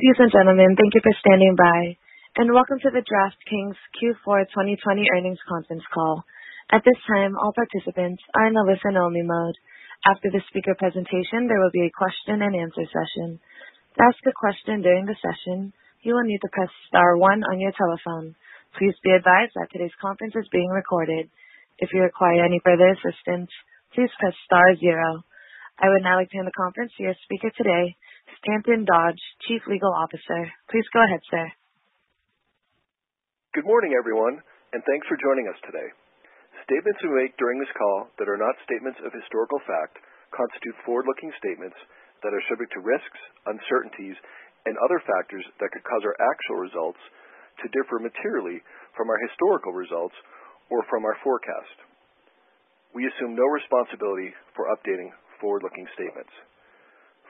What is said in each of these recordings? Ladies and gentlemen, thank you for standing by, and welcome to the DraftKings Q4 2020 earnings conference call. At this time, all participants are in a listen-only mode. After the speaker presentation, there will be a question-and-answer session. To ask a question during the session, you will need to press star one on your telephone. Please be advised that today's conference is being recorded. If you require any further assistance, please press star zero. I would now like to hand the conference to your speaker today, Stanton Dodge, Chief Legal Officer. Please go ahead, sir. Good morning, everyone, and thanks for joining us today. Statements we make during this call that are not statements of historical fact constitute forward-looking statements that are subject to risks, uncertainties, and other factors that could cause our actual results to differ materially from our historical results or from our forecast. We assume no responsibility for updating forward-looking statements.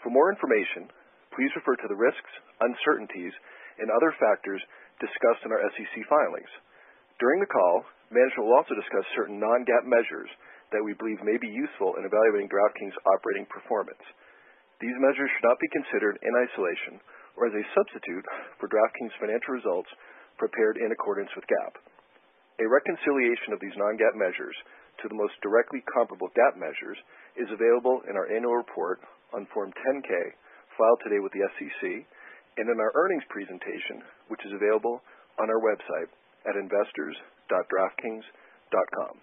For more information, please refer to the risks, uncertainties, and other factors discussed in our SEC filings. During the call, management will also discuss certain non-GAAP measures that we believe may be useful in evaluating DraftKings' operating performance. These measures should not be considered in isolation or as a substitute for DraftKings' financial results prepared in accordance with GAAP. A reconciliation of these non-GAAP measures to the most directly comparable GAAP measures is available in our annual report on Form 10-K filed today with the SEC and in our earnings presentation, which is available on our website at investors.draftkings.com.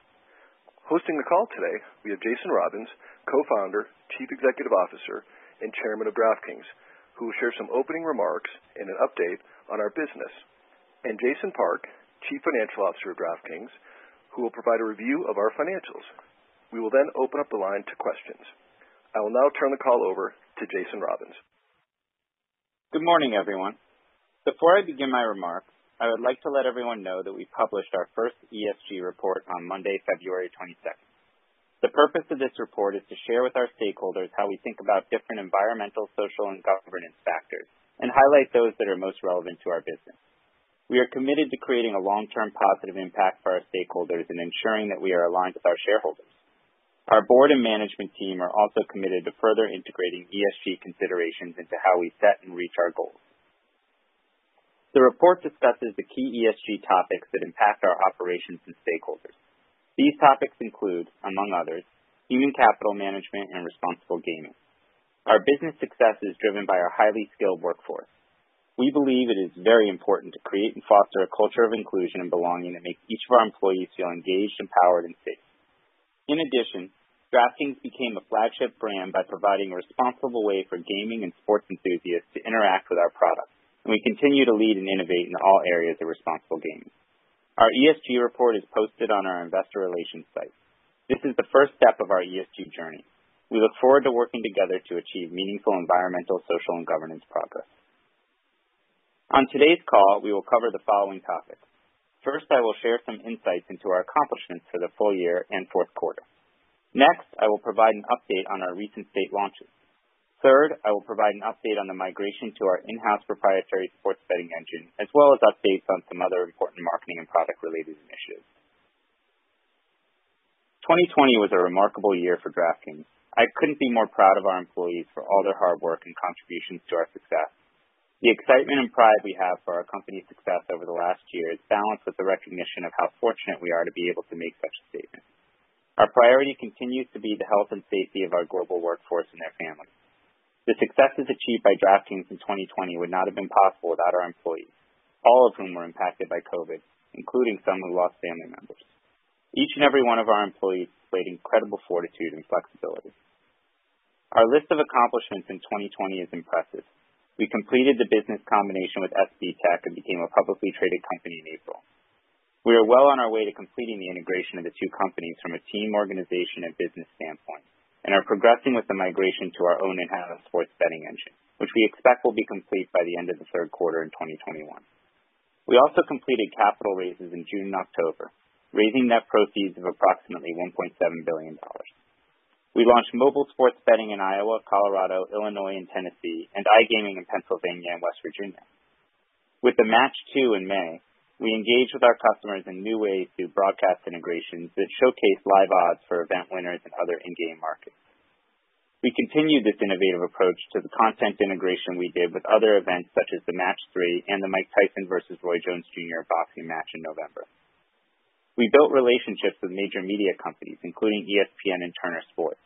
Hosting the call today, we have Jason Robins, Co-Founder, Chief Executive Officer, and Chairman of DraftKings, who will share some opening remarks and an update on our business, and Jason Park, Chief Financial Officer of DraftKings, who will provide a review of our financials. We will then open up the line to questions. I will now turn the call over to Jason Robins. Good morning, everyone. Before I begin my remarks, I would like to let everyone know that we published our first ESG report on Monday, February 22nd. The purpose of this report is to share with our stakeholders how we think about different environmental, social, and governance factors and highlight those that are most relevant to our business. We are committed to creating a long-term positive impact for our stakeholders and ensuring that we are aligned with our shareholders. Our Board and management team are also committed to further integrating ESG considerations into how we set and reach our goals. The report discusses the key ESG topics that impact our operations and stakeholders. These topics include, among others, human capital management and responsible gaming. Our business success is driven by our highly skilled workforce. We believe it is very important to create and foster a culture of inclusion and belonging that makes each of our employees feel engaged, empowered, and safe. In addition, DraftKings became a flagship brand by providing a responsible way for gaming and sports enthusiasts to interact with our products, and we continue to lead and innovate in all areas of responsible gaming. Our ESG report is posted on our investor relations site. This is the first step of our ESG journey. We look forward to working together to achieve meaningful environmental, social, and governance progress. On today's call, we will cover the following topics. First, I will share some insights into our accomplishments for the full year and fourth quarter. Next, I will provide an update on our recent state launches. Third, I will provide an update on the migration to our in-house proprietary sports betting engine, as well as updates on some other important marketing and product-related initiatives. 2020 was a remarkable year for DraftKings. I couldn't be more proud of our employees for all their hard work and contributions to our success. The excitement and pride we have for our company's success over the last year is balanced with the recognition of how fortunate we are to be able to make such a statement. Our priority continues to be the health and safety of our global workforce and their families. The successes achieved by DraftKings in 2020 would not have been possible without our employees, all of whom were impacted by COVID-19, including some who lost family members. Each and every one of our employees displayed incredible fortitude and flexibility. Our list of accomplishments in 2020 is impressive. We completed the business combination with SBTech and became a publicly traded company in April. We are well on our way to completing the integration of the two companies from a team, organization, and business standpoint, and are progressing with the migration to our own in-house sports betting engine, which we expect will be complete by the end of the third quarter in 2021. We also completed capital raises in June and October, raising net proceeds of approximately $1.7 billion. We launched mobile sports betting in Iowa, Colorado, Illinois, and Tennessee, and iGaming in Pennsylvania and West Virginia. With the Match II in May, we engaged with our customers in new ways through broadcast integrations that showcased live odds for event winners and other in-game markets. We continued this innovative approach to the content integration we did with other events such as the Match III and the Mike Tyson versus Roy Jones Jr. boxing match in November. We built relationships with major media companies, including ESPN and Turner Sports,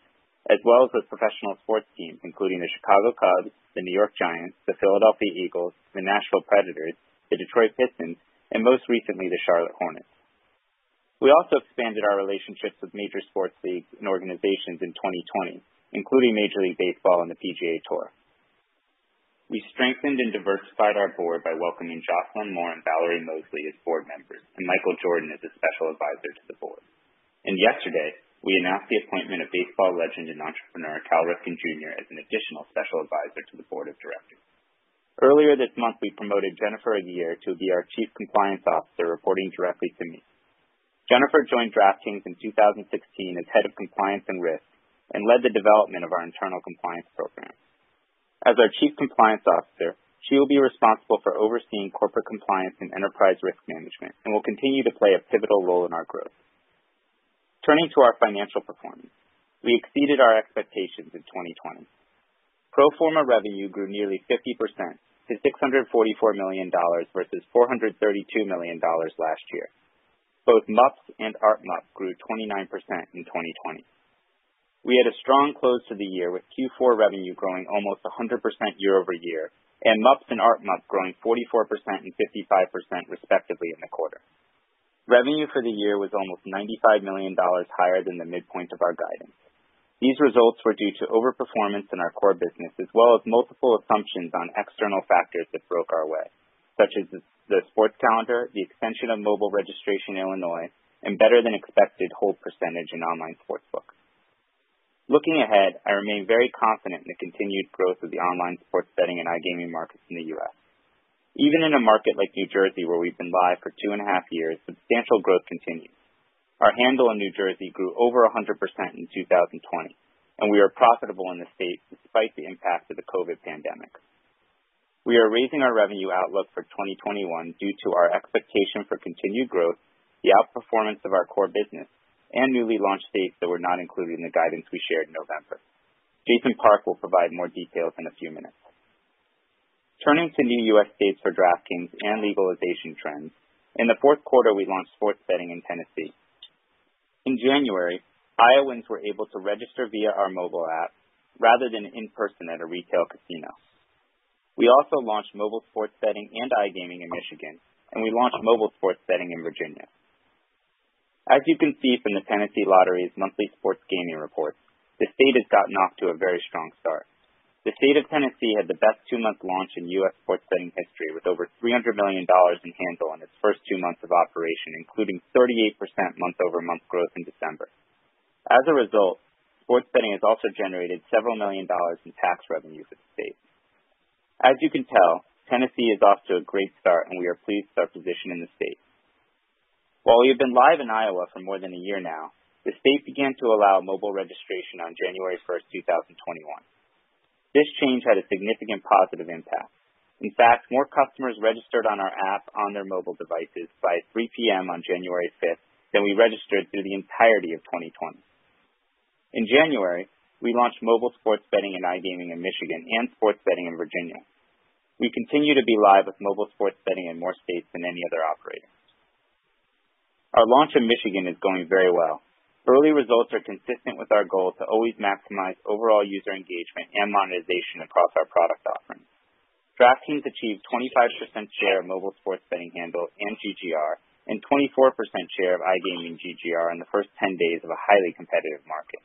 as well as with professional sports teams, including the Chicago Cubs, the New York Giants, the Philadelphia Eagles, the Nashville Predators, the Detroit Pistons, and most recently, the Charlotte Hornets. We also expanded our relationships with major sports leagues and organizations in 2020, including Major League Baseball and the PGA Tour. We strengthened and diversified our Board by welcoming Jocelyn Moore and Valerie Mosley as Board members and Michael Jordan as a Special Advisor to the Board. Yesterday, we announced the appointment of baseball legend and entrepreneur Cal Ripken Jr. as an additional Special Advisor to the Board of Directors. Earlier this month, we promoted Jennifer Aguiar to be our Chief Compliance Officer, reporting directly to me. Jennifer joined DraftKings in 2016 as Head of Compliance and Risk and led the development of our internal compliance programs. As our Chief Compliance Officer, she will be responsible for overseeing corporate compliance and enterprise risk management and will continue to play a pivotal role in our growth. Turning to our financial performance. We exceeded our expectations in 2020. Pro forma revenue grew nearly 50% to $644 million versus $432 million last year. Both MUPs and ARPMUP grew 29% in 2020. We had a strong close to the year, with Q4 revenue growing almost 100% year-over-year, and MUPs and ARPMUP growing 44% and 55% respectively in the quarter. Revenue for the year was almost $95 million higher than the midpoint of our guidance. These results were due to over-performance in our core business, as well as multiple assumptions on external factors that broke our way, such as the sports calendar, the extension of mobile registration in Illinois, and better than expected hold percentage in online sportsbook. Looking ahead, I remain very confident in the continued growth of the online sports betting and iGaming markets in the U.S. Even in a market like New Jersey, where we've been live for 2.5 years, substantial growth continues. Our handle in New Jersey grew over 100% in 2020, and we are profitable in the state despite the impact of the COVID-19 pandemic. We are raising our revenue outlook for 2021 due to our expectation for continued growth, the outperformance of our core business, and newly launched states that were not included in the guidance we shared in November. Jason Park will provide more details in a few minutes. Turning to new U.S. states for DraftKings and legalization trends. In the fourth quarter, we launched sports betting in Tennessee. In January, Iowans were able to register via our mobile app rather than in person at a retail casino. We also launched mobile sports betting and iGaming in Michigan, and we launched mobile sports betting in Virginia. As you can see from the Tennessee Lottery's monthly sports gaming reports, the state has gotten off to a very strong start. The State of Tennessee had the best two-month launch in U.S. sports betting history, with over $300 million in handle in its first two months of operation, including 38% month-over-month growth in December. As a result, sports betting has also generated several million dollars in tax revenue for the state. As you can tell, Tennessee is off to a great start, and we are pleased with our position in the state. While we've been live in Iowa for more than a year now, the state began to allow mobile registration on January 1st, 2021. This change had a significant positive impact. In fact, more customers registered on our app on their mobile devices by 3:00 P.M. on January 5th than we registered through the entirety of 2020. In January, we launched mobile sports betting and iGaming in Michigan and sports betting in Virginia. We continue to be live with mobile sports betting in more states than any other operator. Our launch in Michigan is going very well. Early results are consistent with our goal to always maximize overall user engagement and monetization across our product offerings. DraftKings achieved 25% share of mobile sports betting handle and GGR and 24% share of iGaming GGR in the first 10 days of a highly competitive market.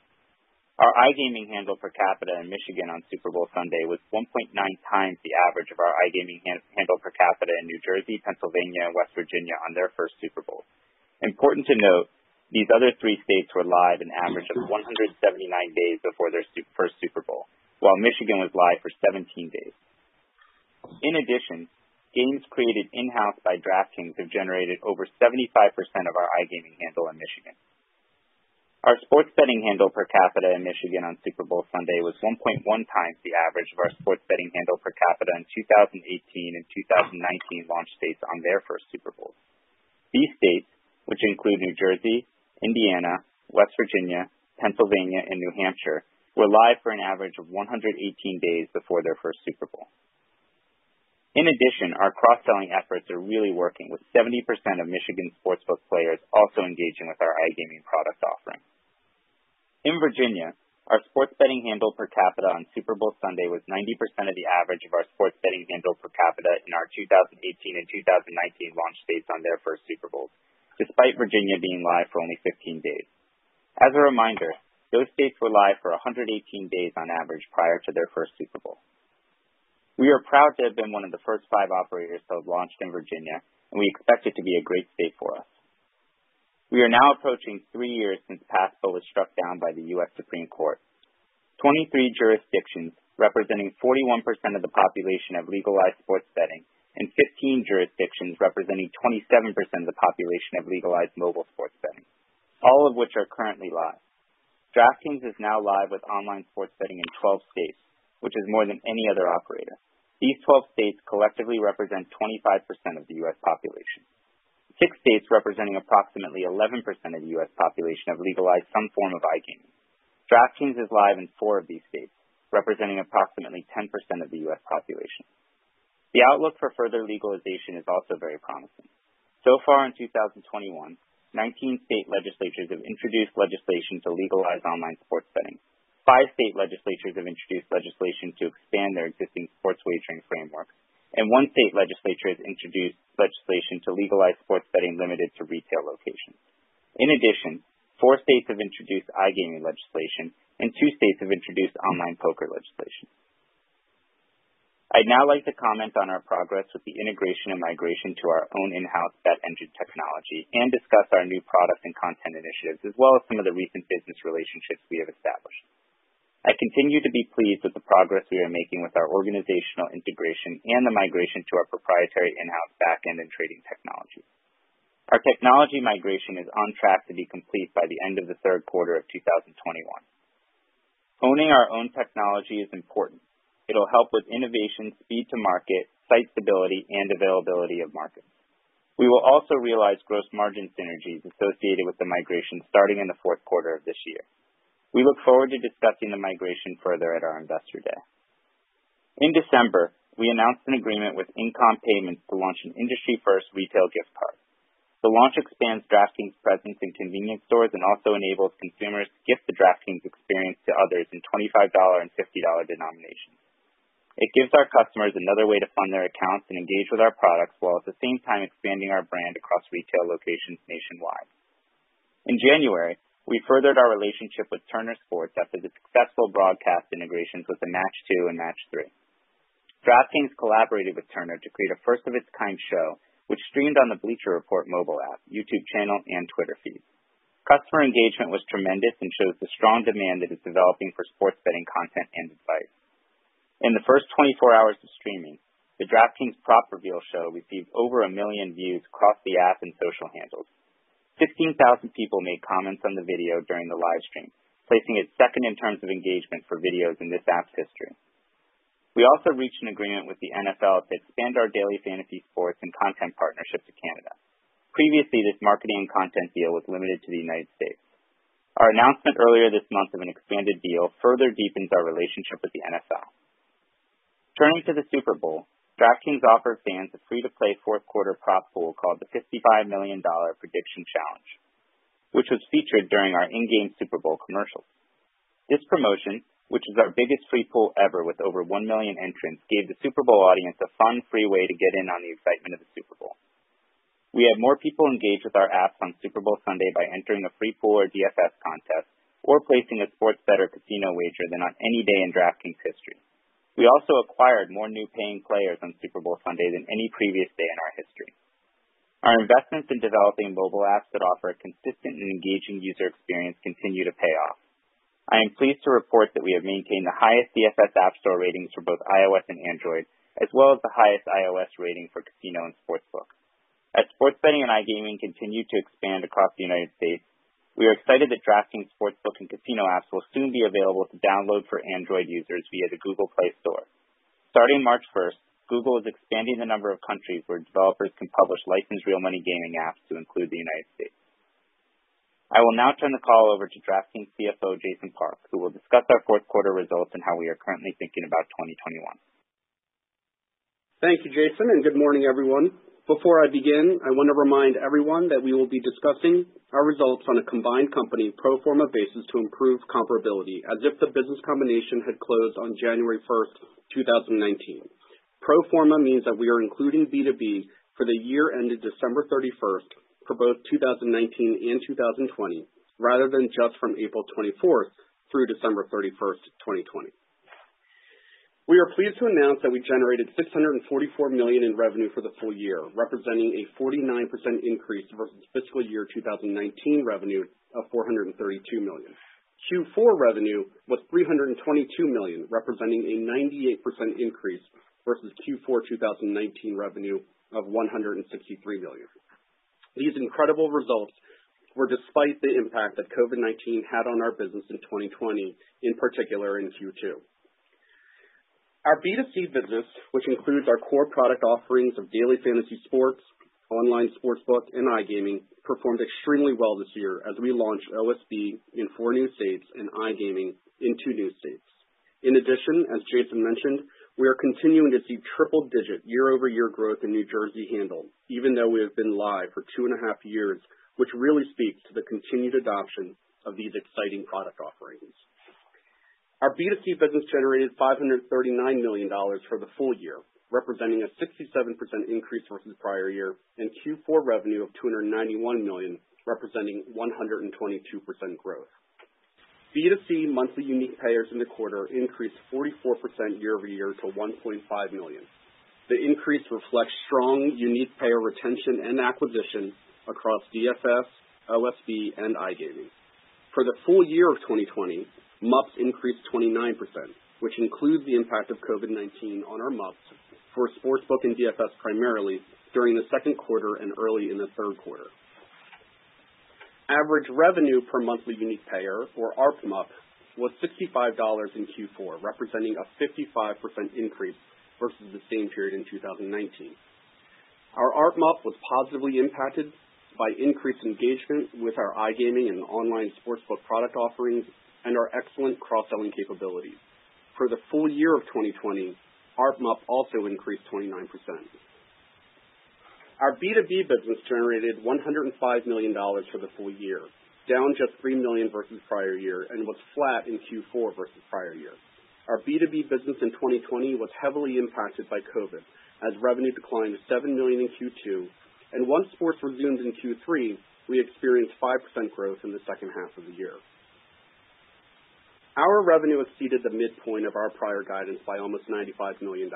Our iGaming handle per capita in Michigan on Super Bowl Sunday was 1.9x the average of our iGaming handle per capita in New Jersey, Pennsylvania, and West Virginia on their first Super Bowl. Important to note, these other three states were live an average of 179 days before their first Super Bowl, while Michigan was live for 17 days. In addition, games created in-house by DraftKings have generated over 75% of our iGaming handle in Michigan. Our sports betting handle per capita in Michigan on Super Bowl Sunday was 1.1x the average of our sports betting handle per capita in 2018 and 2019 launch dates on their first Super Bowl. These states, which include New Jersey, Indiana, West Virginia, Pennsylvania, and New Hampshire, were live for an average of 118 days before their first Super Bowl. In addition, our cross-selling efforts are really working, with 70% of Michigan sports book players also engaging with our iGaming product offering. In Virginia, our sports betting handle per capita on Super Bowl Sunday was 90% of the average of our sports betting handle per capita in our 2018 and 2019 launch dates on their first Super Bowl, despite Virginia being live for only 15 days. As a reminder, those states were live for 118 days on average prior to their first Super Bowl. We are proud to have been one of the first five operators to have launched in Virginia, and we expect it to be a great state for us. We are now approaching three years since PASPA was struck down by the U.S. Supreme Court. 23 jurisdictions, representing 41% of the population, have legalized sports betting, and 15 jurisdictions, representing 27% of the population, have legalized mobile sports betting, all of which are currently live. DraftKings is now live with online sports betting in 12 states, which is more than any other operator. These 12 states collectively represent 25% of the U.S. population. Six states, representing approximately 11% of the U.S. population, have legalized some form of iGaming. DraftKings is live in foutr of these states, representing approximately 10% of the U.S. population. The outlook for further legalization is also very promising. So far in 2021, 19 state legislatures have introduced legislation to legalize online sports betting. Fivve state legislatures have introduced legislation to expand their existing sports wagering framework, and one state legislature has introduced legislation to legalize sports betting limited to retail locations. In addition, four states have introduced iGaming legislation and two states have introduced online poker legislation. I'd now like to comment on our progress with the integration and migration to our own in-house bet engine technology and discuss our new products and content initiatives, as well as some of the recent business relationships we have established. I continue to be pleased with the progress we are making with our organizational integration and the migration to our proprietary in-house back-end and trading technology. Our technology migration is on track to be complete by the end of the third quarter of 2021. Owning our own technology is important. It'll help with innovation, speed to market, site stability, and availability of markets. We will also realize gross margin synergies associated with the migration starting in the fourth quarter of this year. We look forward to discussing the migration further at our Investor Day. In December, we announced an agreement with InComm Payments to launch an industry-first retail gift card. The launch expands DraftKings' presence in convenience stores and also enables consumers to gift the DraftKings experience to others in $25 and $50 denominations. It gives our customers another way to fund their accounts and engage with our products, while at the same time expanding our brand across retail locations nationwide. In January, we furthered our relationship with Turner Sports after the successful broadcast integrations with the Match II and Match III. DraftKings collaborated with Turner to create a first of its kind show which streamed on the Bleacher Report mobile app, YouTube channel, and Twitter feed. Customer engagement was tremendous and shows the strong demand that is developing for sports betting content and advice. In the first 24 hours of streaming, the DraftKings prop reveal show received over 1 million views across the app and social handles. 15,000 people made comments on the video during the live stream, placing it second in terms of engagement for videos in this app's history. We also reached an agreement with the NFL to expand our daily fantasy sports and content partnership to Canada. Previously, this marketing and content deal was limited to the United States. Our announcement earlier this month of an expanded deal further deepens our relationship with the NFL. Turning to the Super Bowl, DraftKings offered fans a free-to-play fourth quarter prop pool called the $55 Million Prediction Challenge, which was featured during our in-game Super Bowl commercials. This promotion, which is our biggest free pool ever with over 1 million entrants, gave the Super Bowl audience a fun, free way to get in on the excitement of the Super Bowl. We had more people engage with our apps on Super Bowl Sunday by entering a free pool or DFS contest or placing a sports bet or casino wager than on any day in DraftKings history. We also acquired more new paying players on Super Bowl Sunday than any previous day in our history. Our investments in developing mobile apps that offer a consistent and engaging user experience continue to pay off. I am pleased to report that we have maintained the highest DFS App Store ratings for both iOS and Android, as well as the highest iOS rating for casino and sportsbook. As sports betting and iGaming continue to expand across the United States, we are excited that DraftKings Sportsbook and Casino apps will soon be available to download for Android users via the Google Play Store. Starting March 1st, Google is expanding the number of countries where developers can publish licensed real money gaming apps to include the United States. I will now turn the call over to DraftKings CFO, Jason Park, who will discuss our fourth quarter results and how we are currently thinking about 2021. Thank you, Jason, and good morning, everyone. Before I begin, I wanna remind everyone that we will be discussing our results on a combined company pro forma basis to improve comparability as if the business combination had closed on January 1st, 2019. Pro forma means that we are including B2B for the year ended December 31st for both 2019 and 2020, rather than just from April 24th through December 31st, 2020. We are pleased to announce that we generated $644 million in revenue for the full year, representing a 49% increase versus fiscal year 2019 revenue of $432 million. Q4 revenue was $322 million, representing a 98% increase versus Q4 2019 revenue of $163 million. These incredible results were despite the impact that COVID-19 had on our business in 2020, in particular in Q2. Our B2C business, which includes our core product offerings of daily fantasy sports, online sportsbook, and iGaming, performed extremely well this year as we launched OSB in four new states and iGaming in two new states. In addition, as Jason mentioned, we are continuing to see triple digit year-over-year growth in New Jersey handle, even though we have been live for 2.5 years, which really speaks to the continued adoption of these exciting product offerings. Our B2C business generated $539 million for the full year, representing a 67% increase versus prior year, and Q4 revenue of $291 million, representing 122% growth. B2C monthly unique payers in the quarter increased 44% year-over-year to 1.5 million. The increase reflects strong unique payer retention and acquisition across DFS, OSB, and iGaming. For the full year of 2020, MUP increased 29%, which includes the impact of COVID-19 on our MUP for sportsbook and DFS, primarily during the second quarter and early in the third quarter. Average revenue per monthly unique payer, or ARPMUP, was $65 in Q4, representing a 55% increase versus the same period in 2019. Our ARPMUP was positively impacted by increased engagement with our iGaming and online sportsbook product offerings and our excellent cross-selling capabilities. For the full year of 2020, ARPMUP also increased 29%. Our B2B business generated $105 million for the full year, down just $3 million versus prior year and was flat in Q4 versus prior year. Our B2B business in 2020 was heavily impacted by COVID, as revenue declined to $7 million in Q2, and once sports resumed in Q3, we experienced 5% growth in the second half of the year. Our revenue exceeded the midpoint of our prior guidance by almost $95 million.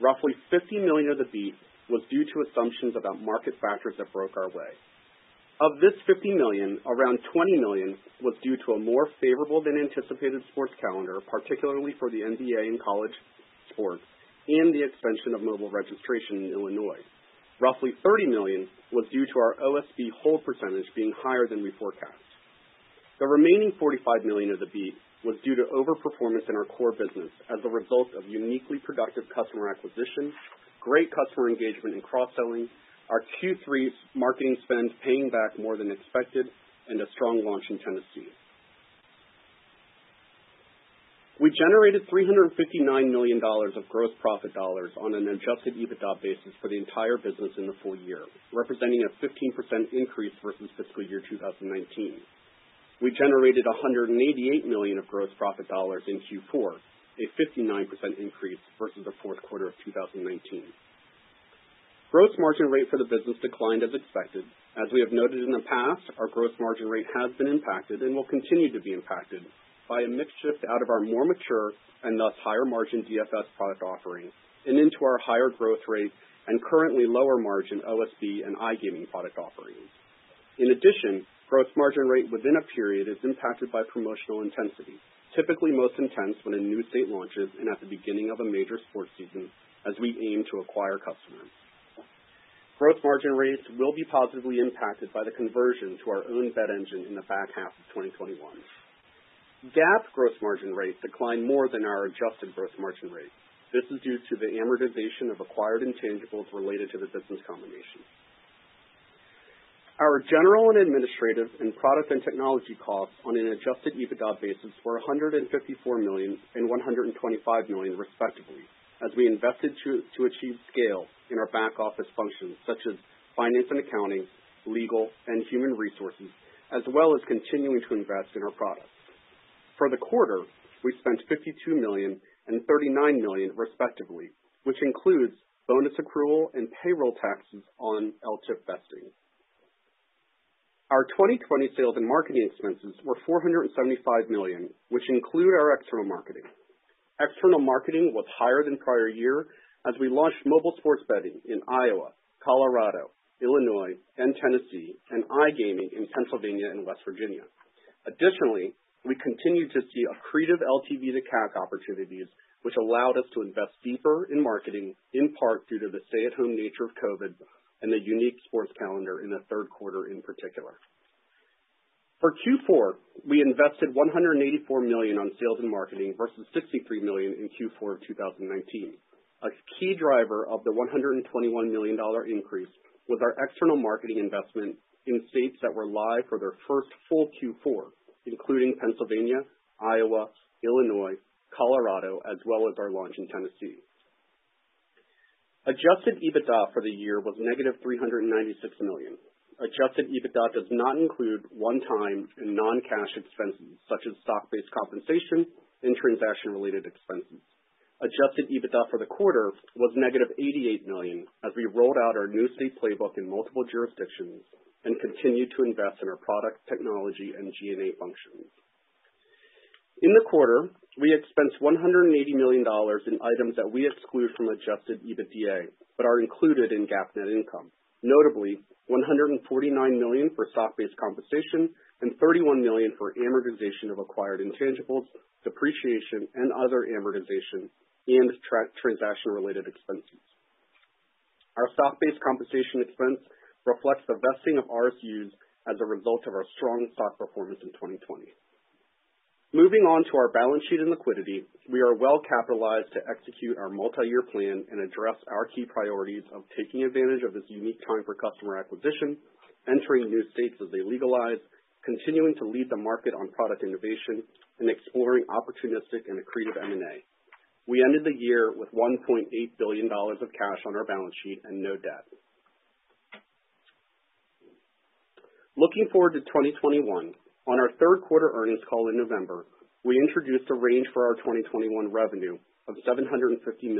Roughly $50 million of the beat was due to assumptions about market factors that broke our way. Of this $50 million, around $20 million was due to a more favorable than anticipated sports calendar, particularly for the NBA and college sports, and the expansion of mobile registration in Illinois. Roughly $30 million was due to our OSB hold percentage being higher than we forecast. The remaining $45 million of the beat was due to overperformance in our core business as a result of uniquely productive customer acquisition, great customer engagement in cross-selling, our Q3 marketing spend paying back more than expected, and a strong launch in Tennessee. We generated $359 million of gross profit dollars on an Adjusted EBITDA basis for the entire business in the full year, representing a 15% increase versus fiscal year 2019. We generated $188 million of gross profit dollars in Q4, a 59% increase versus the fourth quarter of 2019. Gross margin rate for the business declined as expected. As we have noted in the past, our gross margin rate has been impacted and will continue to be impacted by a mix shift out of our more mature and thus higher margin DFS product offerings and into our higher growth rate and currently lower margin OSB and iGaming product offerings. In addition, gross margin rate within a period is impacted by promotional intensity, typically most intense when a new state launches and at the beginning of a major sports season as we aim to acquire customers. Gross margin rates will be positively impacted by the conversion to our own bet engine in the back half of 2021. GAAP gross margin rates declined more than our adjusted gross margin rate. This is due to the amortization of acquired intangibles related to the business combination. Our general and administrative and product and technology costs on an Adjusted EBITDA basis were $154 million and $125 million, respectively, as we invested to achieve scale in our back office functions such as finance and accounting, legal and human resources, as well as continuing to invest in our products. For the quarter, we spent $52 million and $39 million, respectively, which includes bonus accrual and payroll taxes on LTIP vesting. Our 2020 sales and marketing expenses were $475 million, which include our external marketing. External marketing was higher than prior year as we launched mobile sports betting in Iowa, Colorado, Illinois, and Tennessee, and iGaming in Pennsylvania and West Virginia. Additionally, we continued to see accretive LTV to CAC opportunities, which allowed us to invest deeper in marketing, in part due to the stay-at-home nature of COVID and the unique sports calendar in the third quarter in particular. For Q4, we invested $184 million on sales and marketing versus $63 million in Q4 of 2019. A key driver of the $121 million increase was our external marketing investment in states that were live for their first full Q4, including Pennsylvania, Iowa, Illinois, Colorado, as well as our launch in Tennessee. Adjusted EBITDA for the year was $-396 million. Adjusted EBITDA does not include one-time and non-cash expenses such as stock-based compensation and transaction-related expenses. Adjusted EBITDA for the quarter was $-88 million as we rolled out our new state playbook in multiple jurisdictions and continued to invest in our product, technology, and G&A functions. In the quarter, we expensed $180 million in items that we exclude from Adjusted EBITDA, but are included in GAAP net income. Notably, $149 million for stock-based compensation and $31 million for amortization of acquired intangibles, depreciation and other amortization and transaction related expenses. Our stock-based compensation expense reflects the vesting of RSUs as a result of our strong stock performance in 2020. Moving on to our balance sheet and liquidity. We are well-capitalized to execute our multi-year plan and address our key priorities of taking advantage of this unique time for customer acquisition, entering new states as they legalize, continuing to lead the market on product innovation, and exploring opportunistic and accretive M&A. We ended the year with $1.8 billion of cash on our balance sheet and no debt. Looking forward to 2021, on our third quarter earnings call in November, we introduced a range for our 2021 revenue of $750 million-$850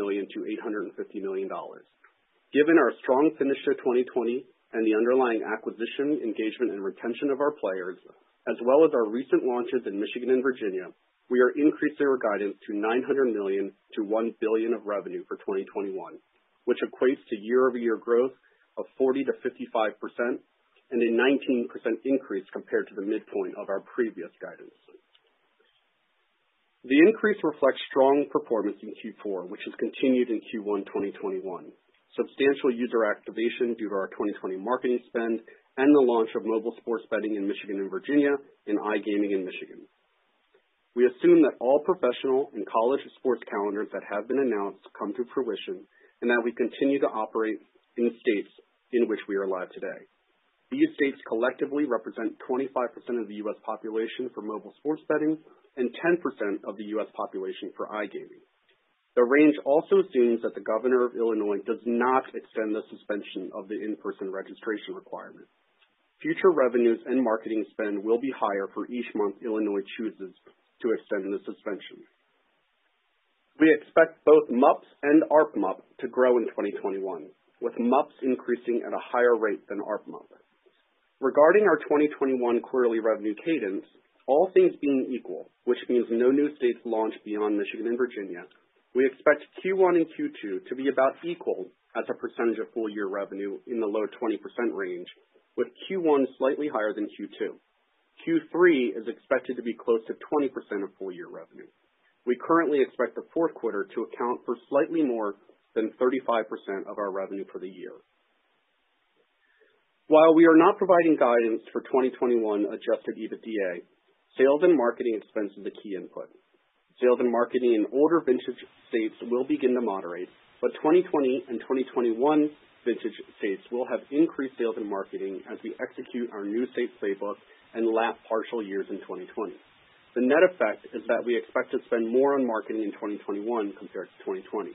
million. Given our strong finish to 2020 and the underlying acquisition, engagement, and retention of our players, as well as our recent launches in Michigan and Virginia, we are increasing our guidance to $900 million-$1 billion of revenue for 2021, which equates to year-over-year growth of 40%-55% and a 19% increase compared to the midpoint of our previous guidance. The increase reflects strong performance in Q4, which has continued in Q1, 2021. Substantial user activation due to our 2020 marketing spend and the launch of mobile sports betting in Michigan and Virginia and iGaming in Michigan. We assume that all professional and college sports calendars that have been announced come to fruition and that we continue to operate in the states in which we are live today. These states collectively represent 25% of the U.S. population for mobile sports betting and 10% of the U.S. population for iGaming. The range also assumes that the governor of Illinois does not extend the suspension of the in-person registration requirement. Future revenues and marketing spend will be higher for each month Illinois chooses to extend the suspension. We expect both MUPs and ARPMUP to grow in 2021, with MUPs increasing at a higher rate than ARPMUP. Regarding our 2021 quarterly revenue cadence, all things being equal, which means no new states launch beyond Michigan and Virginia, we expect Q1 and Q2 to be about equal as a percentage of full year revenue in the low 20% range, with Q1 slightly higher than Q2. Q3 is expected to be close to 20% of full year revenue. We currently expect the fourth quarter to account for slightly more than 35% of our revenue for the year. While we are not providing guidance for 2021 Adjusted EBITDA, sales and marketing expense is a key input. Sales and marketing in older vintage states will begin to moderate, but 2020 and 2021 vintage states will have increased sales and marketing as we execute our new state playbook and lap partial years in 2020. The net effect is that we expect to spend more on marketing in 2021 compared to 2020.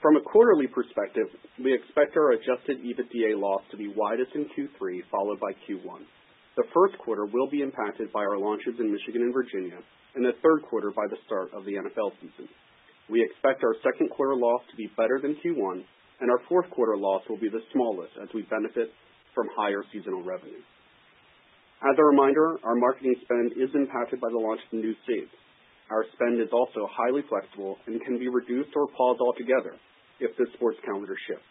From a quarterly perspective, we expect our Adjusted EBITDA loss to be widest in Q3, followed by Q1. The first quarter will be impacted by our launches in Michigan and Virginia, and the third quarter by the start of the NFL season. We expect our second quarter loss to be better than Q1, and our fourth quarter loss will be the smallest as we benefit from higher seasonal revenue. As a reminder, our marketing spend is impacted by the launch of the new states. Our spend is also highly flexible and can be reduced or paused altogether if the sports calendar shifts.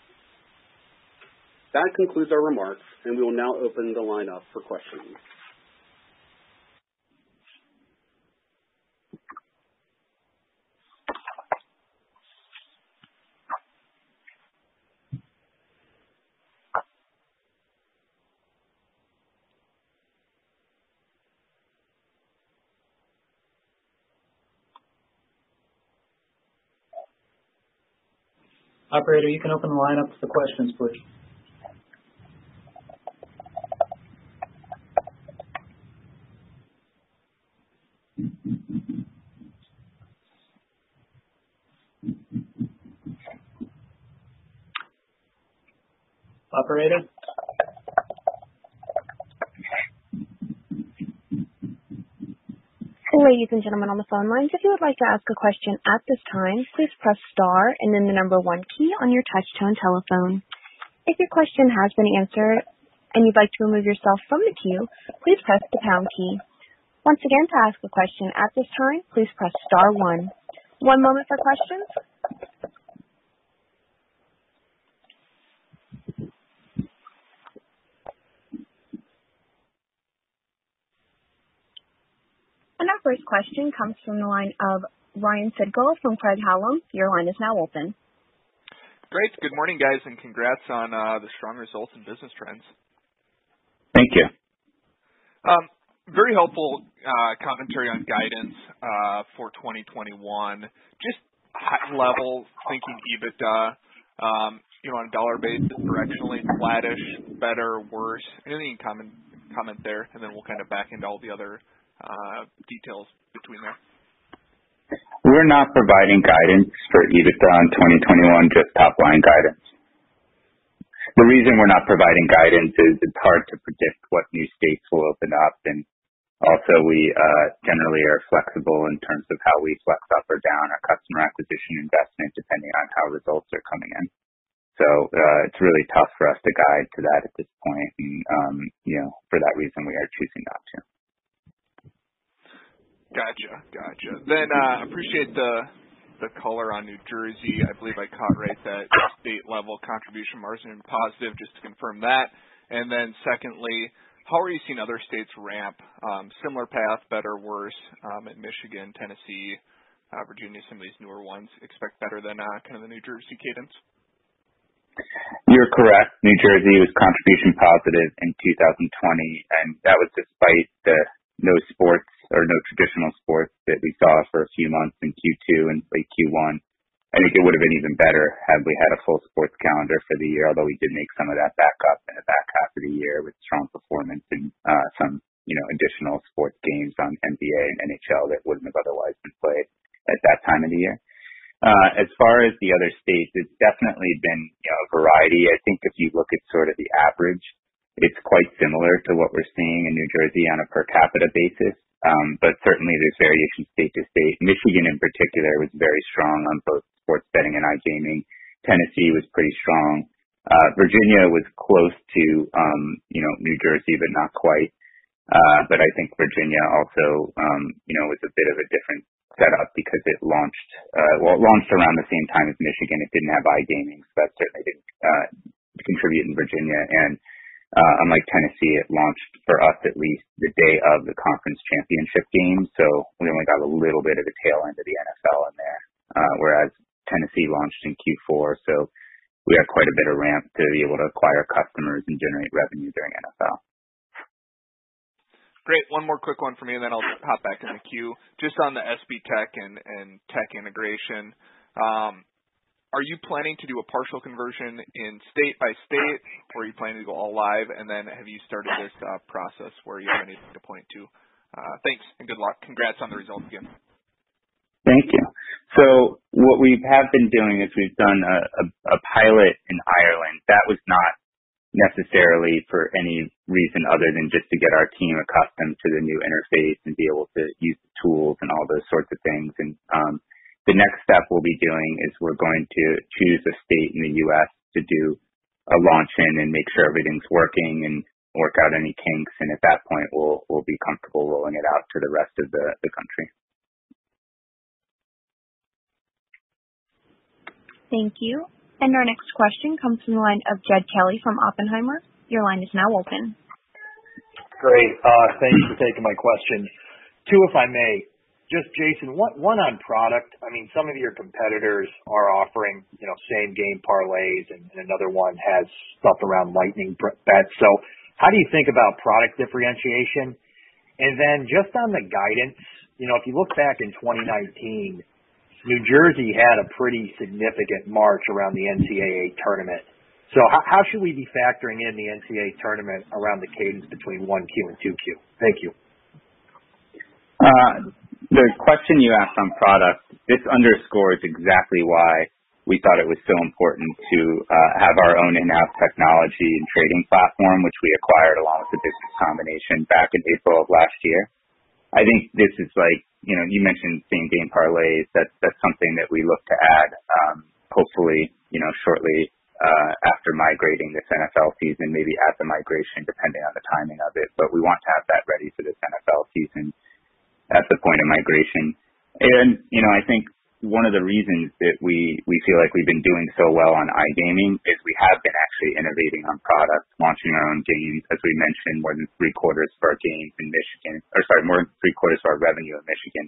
That concludes our remarks. We will now open the line up for questioning. Operator, you can open the line up for questions, please. Operator? Our first question comes from the line of Ryan Sigdahl from Craig-Hallum. Your line is now open. Great. Good morning, guys, and congrats on the strong results and business trends. Thank you. Very helpful commentary on guidance for 2021. Just high level thinking EBITDA, you know, on a dollar basis, directionally flattish, better, worse, anything you can comment there, and then we'll kind of back into all the other details between there? We're not providing guidance for EBITDA in 2021, just top line guidance. The reason we're not providing guidance is it's hard to predict what new states will open up. Also we generally are flexible in terms of how we flex up or down our customer acquisition investment depending on how results are coming in. It's really tough for us to guide to that at this point. You know, for that reason we are choosing not to. Gotcha. Gotcha. Appreciate the color on New Jersey. I believe I caught right that state level contribution margin and positive, just to confirm that. Secondly, how are you seeing other states ramp? Similar path, better, worse, in Michigan, Tennessee, Virginia, some of these newer ones expect better than kind of the New Jersey cadence? You're correct. New Jersey was contribution positive in 2020, and that was despite the no sports or no traditional sports that we saw for a few months in Q2 and late Q1. I think it would have been even better had we had a full sports calendar for the year, although we did make some of that back up in the back half of the year with strong performance in some, you know, additional sports games on NBA and NHL that wouldn't have otherwise been played at that time of the year. As far as the other states, it's definitely been, you know, variety. I think if you look at sort of the average, it's quite similar to what we're seeing in New Jersey on a per capita basis, but certainly there's variation state-to-state. Michigan in particular was very strong on both sports betting and iGaming. Tennessee was pretty strong. Virginia was close to, you know, New Jersey, but not quite. I think Virginia also, you know, is a bit of a different setup because it launched, well, it launched around the same time as Michigan. It didn't have iGaming, that certainly didn't contribute in Virginia. Unlike Tennessee, it launched, for us at least, the day of the conference championship game. We only got a little bit of the tail end of the NFL in there, whereas Tennessee launched in Q4. We had quite a bit of ramp to be able to acquire customers and generate revenue during NFL. Great. One more quick one for me, and then I'll hop back in the queue. Just on the SBTech and tech integration, are you planning to do a partial conversion in state by state, or are you planning to go all live? Have you started this process where you have anything to point to? Thanks, good luck. Congrats on the results again. Thank you. What we have been doing is we've done a pilot in Ireland. That was not necessarily for any reason other than just to get our team accustomed to the new interface and be able to use the tools and all those sorts of things. The next step we'll be doing is we're going to choose a state in the U.S. to do a launch in and make sure everything's working and work out any kinks. At that point, we'll be comfortable rolling it out to the rest of the country. Thank you. Our next question comes from the line of Jed Kelly from Oppenheimer. Your line is now open. Great. Thank you for taking my question. Two, if I may. Just Jason, one on product. I mean, some of your competitors are offering, you know, same-game parlays and another one has stuff around lightning bets. How do you think about product differentiation? Just on the guidance, you know, if you look back in 2019, New Jersey had a pretty significant march around the NCAA tournament. How should we be factoring in the NCAA tournament around the cadence between 1Q and 2Q? Thank you. The question you asked on product, this underscores exactly why we thought it was so important to have our own in-house technology and trading platform, which we acquired along with the business combination back in April of last year. I think this is like, you know, you mentioned same-game parlays. That's something that we look to add, hopefully, you know, shortly, after migrating this NFL season, maybe at the migration, depending on the timing of it. We want to have that ready for this NFL season at the point of migration. You know, I think one of the reasons that we feel like we've been doing so well on iGaming is we have been actually innovating on products, launching our own games. As we mentioned, more than three-quarters of our revenue in Michigan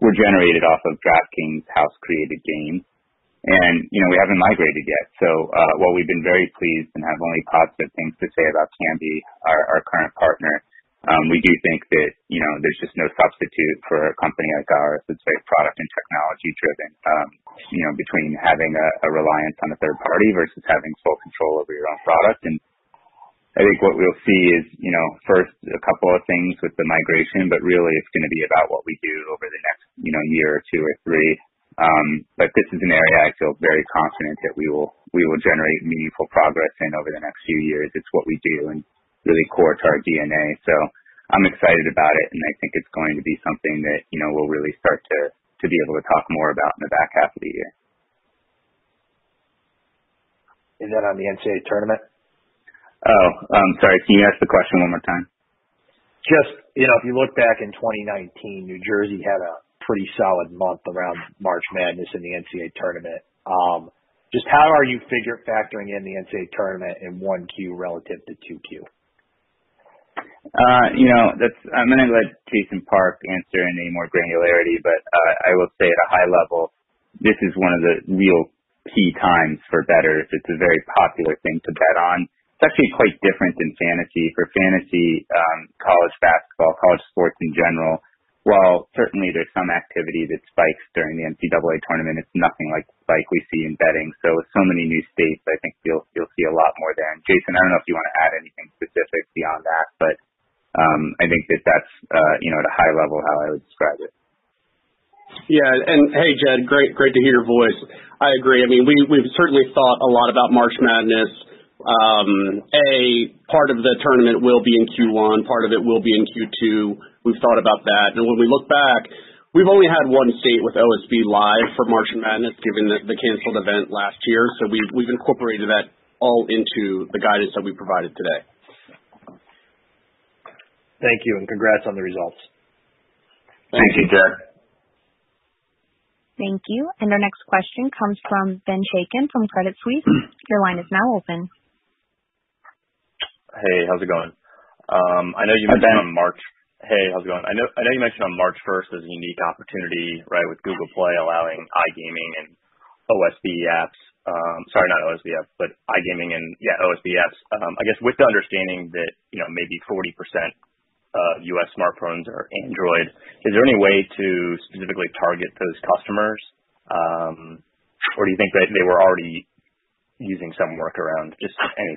were generated off of DraftKings house-created games. You know, we haven't migrated yet. While we've been very pleased and have only positive things to say about Kambi, our current partner, we do think that, you know, there's just no substitute for a company like ours that's very product and technology driven. You know, between having a reliance on a third party versus having full control over your own product. I think what we'll see is, you know, first a couple of things with the migration, but really it's gonna be about what we do over the next, you know, year or two or three. This is an area I feel very confident that we will generate meaningful progress in over the next few years. It's what we do and really core to our DNA. I'm excited about it, and I think it's going to be something that, you know, we'll really start to be able to talk more about in the back half of the year. On the NCAA Tournament? Sorry, can you ask the question one more time? Just, you know, if you look back in 2019, New Jersey had a pretty solid month around March Madness and the NCAA tournament. Just how are you factoring in the NCAA tournament in 1Q relative to 2Q? You know, I'm gonna let Jason Park answer any more granularity. I will say at a high level, this is one of the real key times for bettors. It's a very popular thing to bet on. It's actually quite different than fantasy. For fantasy, college basketball, college sports in general, while certainly there's some activity that spikes during the NCAA tournament, it's nothing like the spike we see in betting. With so many new states, I think you'll see a lot more there. Jason, I don't know if you wanna add anything specific beyond that. I think that's, you know, at a high level how I would describe it. Yeah. Hey, Jed, great to hear your voice. I agree. I mean, we've certainly thought a lot about March Madness. Part of the tournament will be in Q1, part of it will be in Q2. We've thought about that. When we look back, we've only had one state with OSB live for March Madness, given the canceled event last year. We've incorporated that all into the guidance that we provided today. Thank you, and congrats on the results. Thank you, Jed. Thank you. Our next question comes from Ben Chaiken from Credit Suisse. Your line is now open. Hey, how's it going? Hi, Ben. Hey, how's it going? I know, I know you mentioned on March 1st is a unique opportunity, right, with Google Play allowing iGaming and OSB apps. Sorry, not OSB apps, but iGaming and, yeah, OSB apps. I guess with the understanding that, you know, maybe 40% of U.S. smartphones are Android, is there any way to specifically target those customers? Do you think that they were already using some workaround? Just any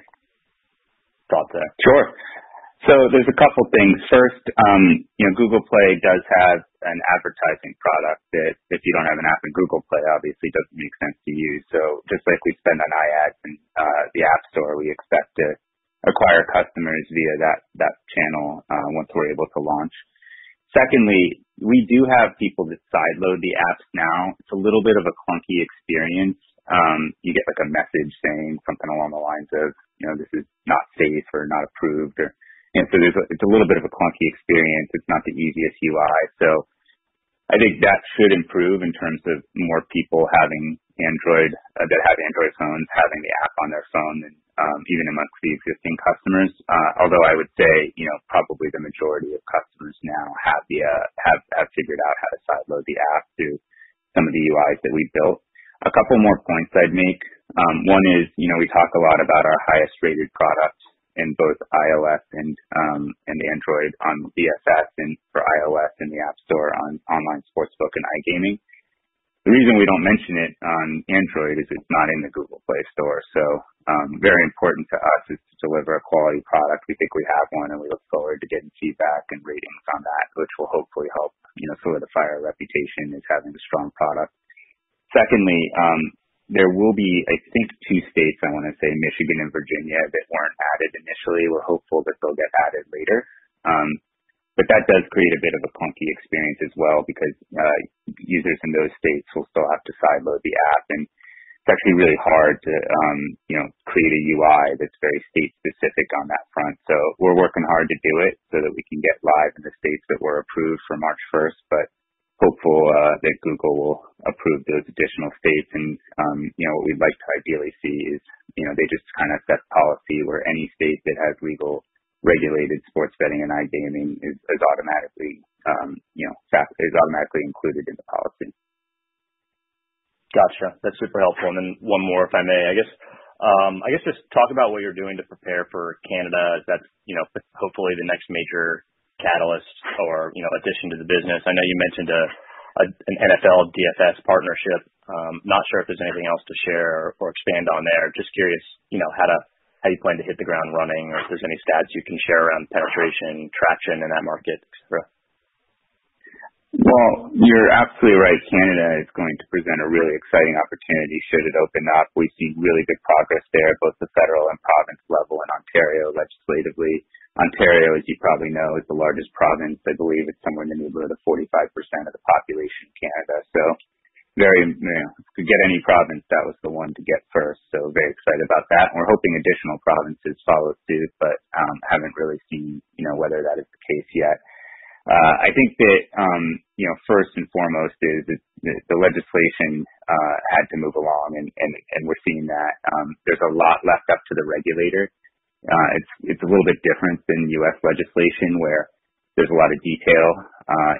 thought there. Sure. There's a couple things. First, you know, Google Play does have an advertising product that if you don't have an app in Google Play, obviously doesn't make sense to use. Just like we spend on iOS and the App Store, we expect to acquire customers via that channel, once we're able to launch. Secondly, we do have people that sideload the apps now. It's a little bit of a clunky experience. You get like a message saying something along the lines of, you know, "This is not safe or not approved," or it's a little bit of a clunky experience. It's not the easiest UI. I think that should improve in terms of more people having Android that have Android phones, having the app on their phone and even amongst the existing customers. Although I would say, you know, probably the majority of customers now have figured out how to sideload the app through some of the UIs that we've built. A couple more points I'd make. One is, you know, we talk a lot about our highest-rated products in both iOS and the Android on DFS and for iOS in the App Store on online sportsbook and iGaming. The reason we don't mention it on Android is it's not in the Google Play Store. Very important to us is to deliver a quality product. We think we have one, and we look forward to getting feedback and ratings on that, which will hopefully help, you know, solidify our reputation as having a strong product. Secondly, there will be, I think, two states, I wanna say Michigan and Virginia, that weren't added initially. We're hopeful that they'll get added later. That does create a bit of a clunky experience as well because users in those states will still have to sideload the app. It's actually really hard to, you know, create a UI that's very state specific on that front. We're working hard to do it so that we can get live in the states that were approved for March 1st. Hopeful that Google will approve those additional states and, you know, what we'd like to ideally see is, you know, they just kind of set policy where any state that has legal regulated sports betting and iGaming is automatically, you know, is automatically included in the policy. Gotcha. That's super helpful. One more, if I may. I guess just talk about what you're doing to prepare for Canada. That's, you know, hopefully the next major catalyst or, you know, addition to the business. I know you mentioned an NFL DFS partnership. Not sure if there's anything else to share or expand on there. Just curious, you know, how you plan to hit the ground running or if there's any stats you can share around penetration, traction in that market, etc. Well, you're absolutely right. Canada is going to present a really exciting opportunity should it open up. We see really big progress there at both the federal and province level in Ontario legislatively. Ontario, as you probably know, is the largest province. I believe it's somewhere in the neighborhood of 45% of the population of Canada. Very, you know, to get any province, that was the one to get first so very excited about that. We're hoping additional provinces follow suit, but haven't really seen, you know, whether that is the case yet. I think that, you know, first and foremost is the legislation had to move along and we're seeing that. There's a lot left up to the regulator. It's a little bit different than U.S. legislation, where there's a lot of detail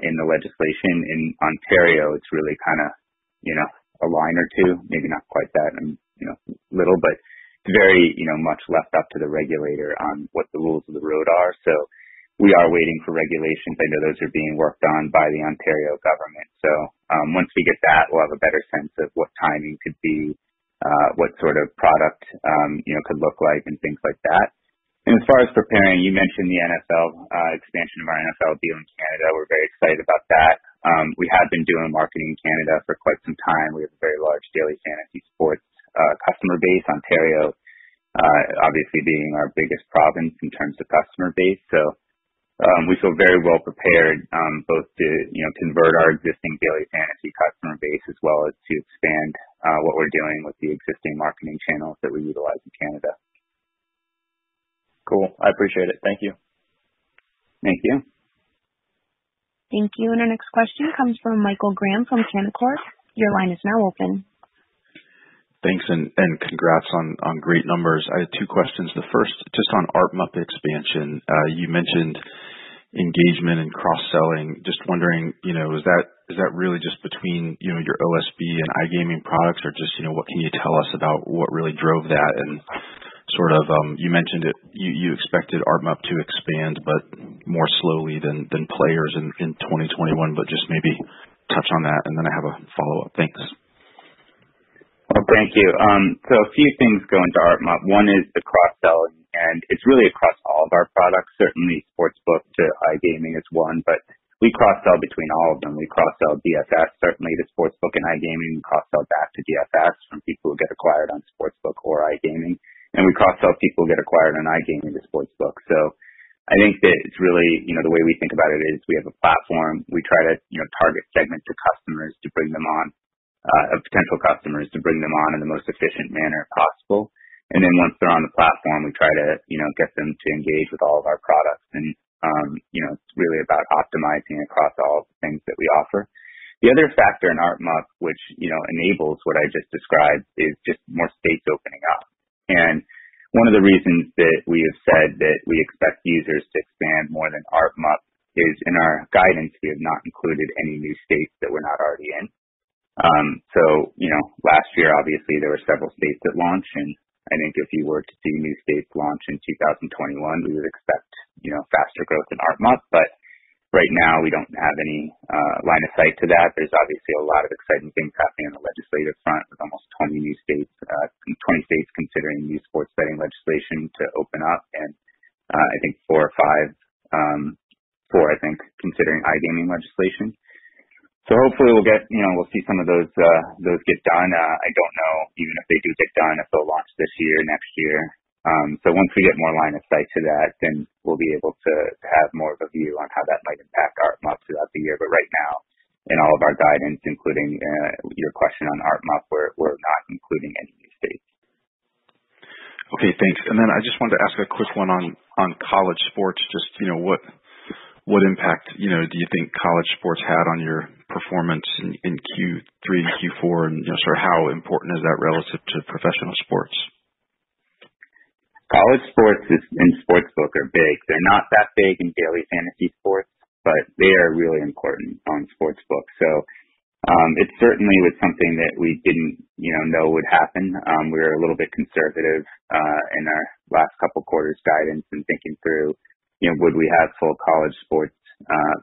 in the legislation. In Ontario, it's really kind of, you know, a line or two, maybe not quite that, and, you know, little, but very, you know, much left up to the regulator on what the rules of the road are. We are waiting for regulations. I know those are being worked on by the Ontario government. Once we get that, we'll have a better sense of what timing could be, what sort of product, you know, could look like and things like that. As far as preparing, you mentioned the NFL, expansion of our NFL deal in Canada. We're very excited about that. We have been doing marketing in Canada for quite some time. We have a very large daily fantasy sports customer base. Ontario, obviously being our biggest province in terms of customer base. We feel very well prepared, both to, you know, convert our existing daily fantasy customer base as well as to expand, what we're doing with the existing marketing channels that we utilize in Canada. Cool. I appreciate it. Thank you. Thank you. Thank you. Our next question comes from Michael Graham from Canaccord. Your line is now open. Thanks and congrats on great numbers. I had two questions. The first, just on ARPMUP expansion. You mentioned engagement and cross-selling. Just wondering, you know, is that really just between, you know, your OSB and iGaming products or just, you know, what can you tell us about what really drove that? Sort of, you mentioned it, you expected ARPMUP to expand, but more slowly than players in 2021. Just maybe touch on that and then I have a follow-up. Thanks. Thank you. A few things go into ARPMUP. One is the cross-selling, it's really across all of our products. Certainly Sportsbook to iGaming is one, we cross-sell between all of them. We cross-sell DFS, certainly the Sportsbook and iGaming. We cross-sell back to DFS from people who get acquired on Sportsbook or iGaming and we cross-sell people who get acquired on iGaming to Sportsbook. I think that it's really, you know, the way we think about it is we have a platform. We try to, you know, target segment to customers to bring them on, potential customers to bring them on in the most efficient manner possible and once they're on the platform, we try to, you know, get them to engage with all of our products. You know, it's really about optimizing across all the things that we offer. The other factor in ARPMUP, which, you know, enables what I just described, is just more states opening up. One of the reasons that we have said that we expect users to expand more than ARPMUP is in our guidance, we have not included any new states that we're not already in. You know, last year, obviously, there were several states that launched, and I think if you were to see new states launch in 2021, we would expect, you know, faster growth in ARPMUP but right now, we don't have any line of sight to that. There's obviously a lot of exciting things happening on the legislative front with almost 20 new states, 20 states considering new sports betting legislation to open up and, I think five, four, I think, considering iGaming legislation. Hopefully we'll get, you know, we'll see some of those get done. I don't know even if they do get done, if they'll launch this year, next year. Once we get more line of sight to that, then we'll be able to have more of a view on how that might impact ARPMUP throughout the year. But right now, in all of our guidance, including, your question on ARPMUP, we're not including any new states. Okay, thanks. I just wanted to ask a quick one on college sports. You know, what impact, you know, do you think college sports had on your performance in Q3 and Q4? Sort of how important is that relative to professional sports? College sports is, in Sportsbook are big. They're not that big in daily fantasy sports, but they are really important on Sportsbook. It certainly was something that we didn't, you know would happen. We were a little bit conservative in our last couple quarters guidance and thinking through, you know, would we have full college sports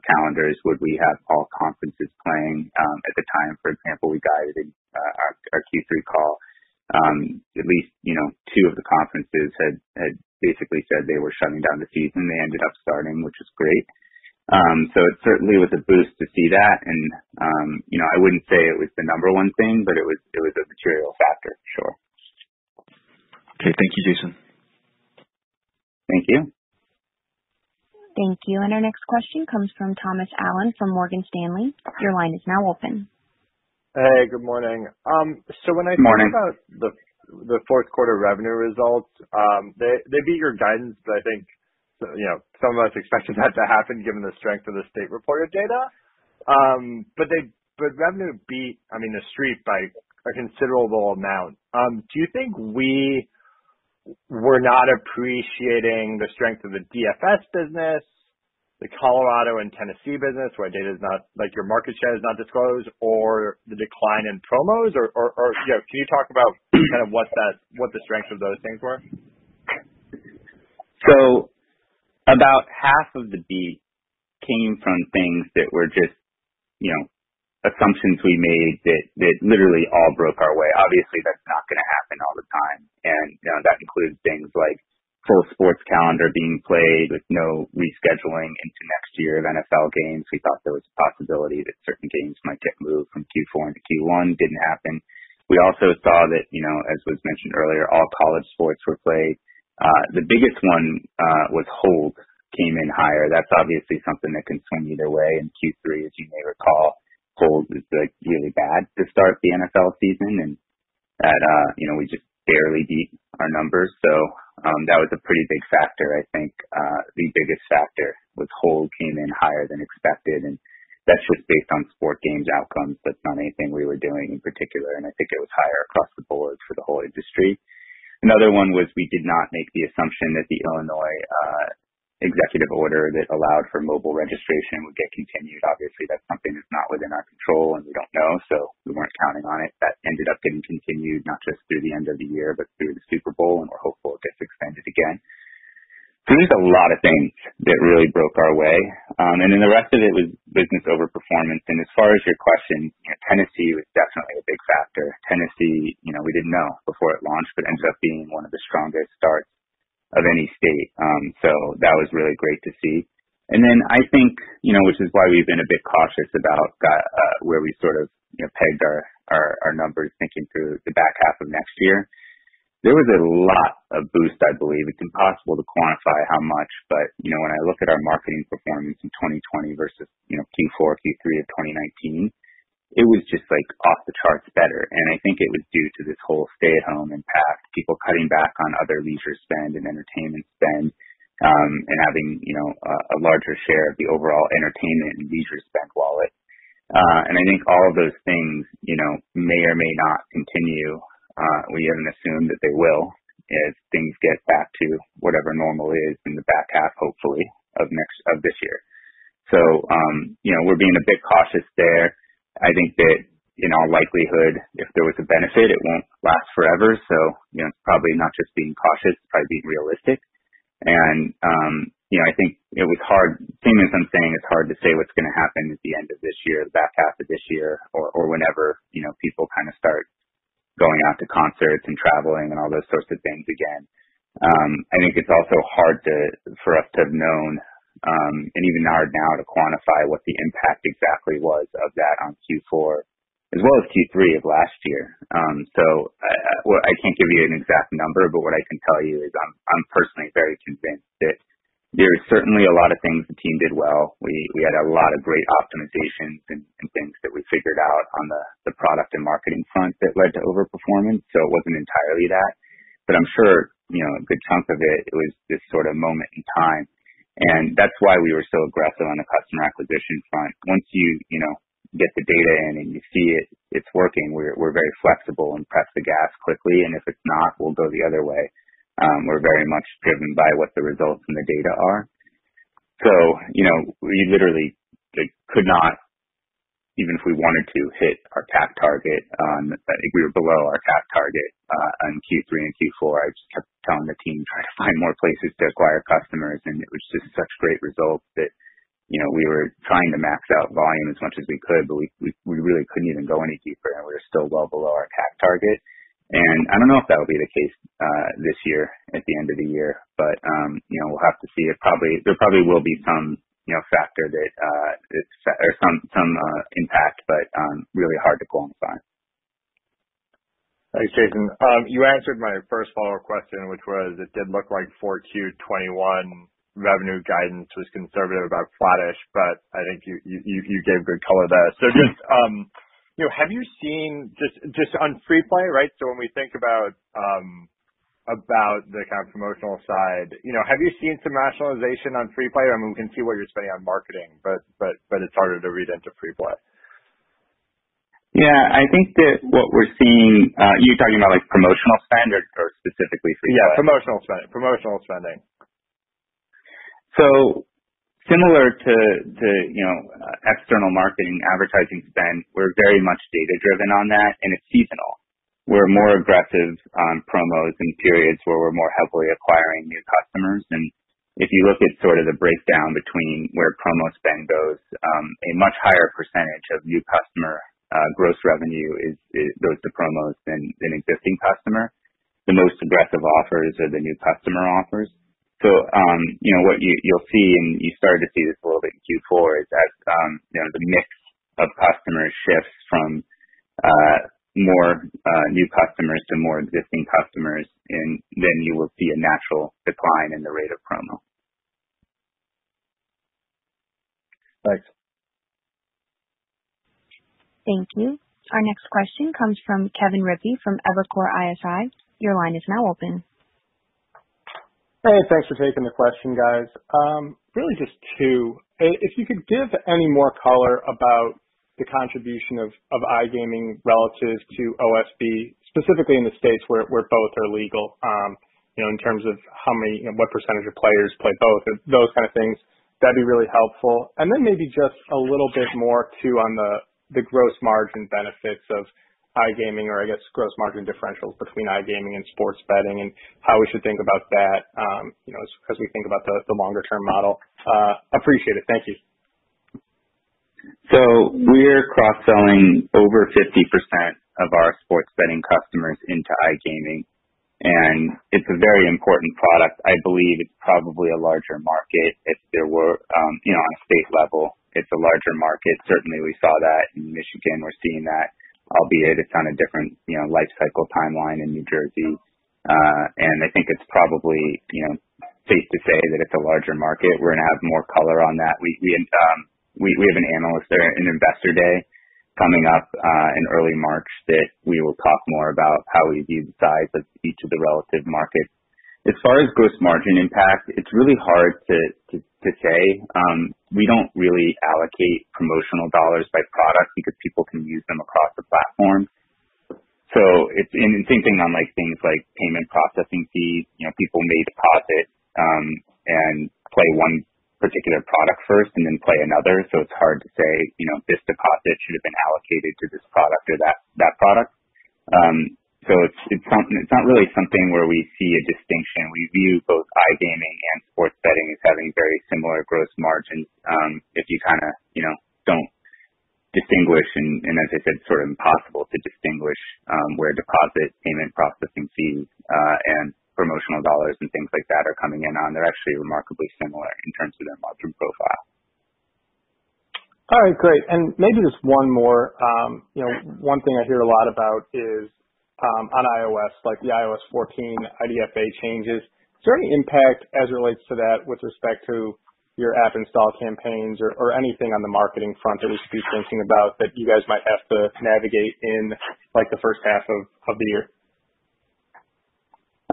calendars? Would we have all conferences playing? At the time, for example, we guided our Q3 call. At least, you know, two of the conferences had basically said they were shutting down the season. They ended up starting, which was great. It certainly was a boost to see that. You know, I wouldn't say it was the number one thing, but it was a material factor. Sure. Okay. Thank you, Jason. Thank you. Thank you. Our next question comes from Thomas Allen from Morgan Stanley. Your line is now open. Hey, good morning. Good morning. About the fourth quarter revenue results, they beat your guidance, but I think, you know, some of us expected that to happen given the strength of the state reported data. Revenue beat, I mean, the street by a considerable amount. Do you think we were not appreciating the strength of the DFS business, the Colorado and Tennessee business, where data is not, like, your market share is not disclosed, or the decline in promos or, you know, can you talk about kind of what that, what the strengths of those things were? About half of the beat came from things that were just, you know, assumptions we made that literally all broke our way. Obviously, that's not gonna happen all the time. You know, that includes things like full sports calendar being played with no rescheduling into next year of NFL games. We thought there was a possibility that certain games might get moved from Q4 into Q1, it didn't happen. We also saw that, you know, as was mentioned earlier, all college sports were played. The biggest one was holds came in higher. That's obviously something that can swing either way. In Q3, as you may recall, holds was, like, really bad to start the NFL season and that, you know, we just barely beat our numbers. That was a pretty big factor. I think the biggest factor was holds came in higher than expected, and that's just based on sport games outcomes. That's not anything we were doing in particular, and I think it was higher across the Board for the whole industry. Another one was we did not make the assumption that the Illinois executive order that allowed for mobile registration would get continued. Obviously, that's something that's not within our control, and we don't know, so we weren't counting on it. That ended up getting continued, not just through the end of the year, but through the Super Bowl, and we're hopeful it gets extended again. There's a lot of things that really broke our way and the rest of it was business over performance. As far as your question, you know, Tennessee was definitely a big factor. Tennessee, you know, we didn't know before it launched, ends up being one of the strongest starts of any state. That was really great to see. I think, you know, which is why we've been a bit cautious about where we sort of, you know, pegged our, our numbers thinking through the back half of next year. There was a lot of boost, I believe. It's impossible to quantify how much, but, you know, when I look at our marketing performance in 2020 versus, you know, Q4, Q3 of 2019, it was just, like, off the charts better. I think it was due to this whole stay at home impact, people cutting back on other leisure spend and entertainment spend, and having, you know, a larger share of the overall entertainment and leisure spend wallet. I think all of those things, you know, may or may not continue. We even assume that they will as things get back to whatever normal is in the back half, hopefully, of this year. You know, we're being a bit cautious there. I think that in all likelihood, if there was a benefit, it won't last forever. You know, it's probably not just being cautious, it's probably being realistic. You know, I think it was hard. Same as I'm saying, it's hard to say what's gonna happen at the end of this year, the back half of this year or whenever, you know, people kinda start going out to concerts and traveling and all those sorts of things again. I think it's also hard for us to have known, and even hard now to quantify what the impact exactly was of that on Q4 as well as Q3 of last year. Well, I can't give you an exact number, but what I can tell you is I'm personally very convinced that there are certainly a lot of things the team did well. We had a lot of great optimizations and things that we figured out on the product and marketing front that led to overperformance. It wasn't entirely that. I'm sure, you know, a good chunk of it was this sort of moment in time and that's why we were so aggressive on the customer acquisition front. Once you know, get the data in and you see it's working, we're very flexible and press the gas quickly. If it's not, we'll go the other way. We're very much driven by what the results from the data are. You know, we literally, like, could not, even if we wanted to, hit our CAC target on I think we were below our CAC target on Q3 and Q4. I just kept telling the team, try to find more places to acquire customers, and it was just such great results that, we were trying to max out volume as much as we could, but we really couldn't even go any deeper, and we were still well below our CAC target. I don't know if that'll be the case, this year at the end of the year, but, you know, we'll have to see. There probably will be some, you know, factor that, it's, or some impact, but really hard to quantify. Thanks, Jason. You answered my first follow-up question, which was it did look like for Q 2021 revenue guidance was conservative about flattish, I think you gave good color there. You know, just on free play, right, when we think about the kind of promotional side, have you seen some rationalization on free play? I mean, we can see what you're spending on marketing, but it's harder to read into free play. Yeah. I think that what we're seeing, you're talking about like promotional spend or specifically free play? Yeah, promotional spend. Promotional spending. Similar to, you know, external marketing advertising spend, we're very much data-driven on that, and it's seasonal. We're more aggressive on promos in periods where we're more heavily acquiring new customers. If you look at sort of the breakdown between where promo spend goes, a much higher percentage of new customer gross revenue goes to promos than an existing customer. The most aggressive offers are the new customer offers. You know what you will see, and you started to see this a little bit in Q4, is as, you know, the mix of customers shifts from more new customers to more existing customers and then you will see a natural decline in the rate of promo. Thanks. Thank you. Our next question comes from Kevin Rippey from Evercore ISI. Your line is now open. Hey, thanks for taking the question, guys. Really just two. If you could give any more color about the contribution of iGaming relatives to OSB, specifically in the states where both are legal, you know, in terms of how many, you know, what percentage of players play both, those kind of things. That'd be really helpful. Then maybe just a little bit more, too, on the gross margin benefits of iGaming or I guess gross margin differentials between iGaming and sports betting and how we should think about that, you know, as we think about the longer term model. Appreciate it. Thank you. We're cross-selling over 50% of our sports betting customers into iGaming, and it's a very important product. I believe it's probably a larger market if there were, you know, on a state level, it's a larger market. Certainly, we saw that in Michigan. We're seeing that, albeit it's on a different, you know, life cycle timeline in New Jersey. I think it's probably, you know, safe to say that it's a larger market. We're gonna have more color on that. We have an analyst there, an Investor Day coming up in early March that we will talk more about how we view the size of each of the relative markets. As far as gross margin impact, it's really hard to say. We don't really allocate promotional dollars by product because people can use them across the platform. Same thing on things like payment processing fees. You know, people may deposit and play one particular product first and then play another. It's hard to say, you know, this deposit should have been allocated to this product or that product. It's not really something where we see a distinction. We view both iGaming and sports betting as having very similar gross margins. If you kinda, you know, don't distinguish, and as I said, sort of impossible to distinguish, where deposits, payment processing fees, and promotional dollars and things like that are coming in on. They're actually remarkably similar in terms of their margin profile. All right, great. maybe just one more. You know, one thing I hear a lot about is on iOS, like the iOS 14 IDFA changes. Is there any impact as it relates to that with respect to your app install campaigns or anything on the marketing front that we should be thinking about that you guys might have to navigate in, like, the first half of the year?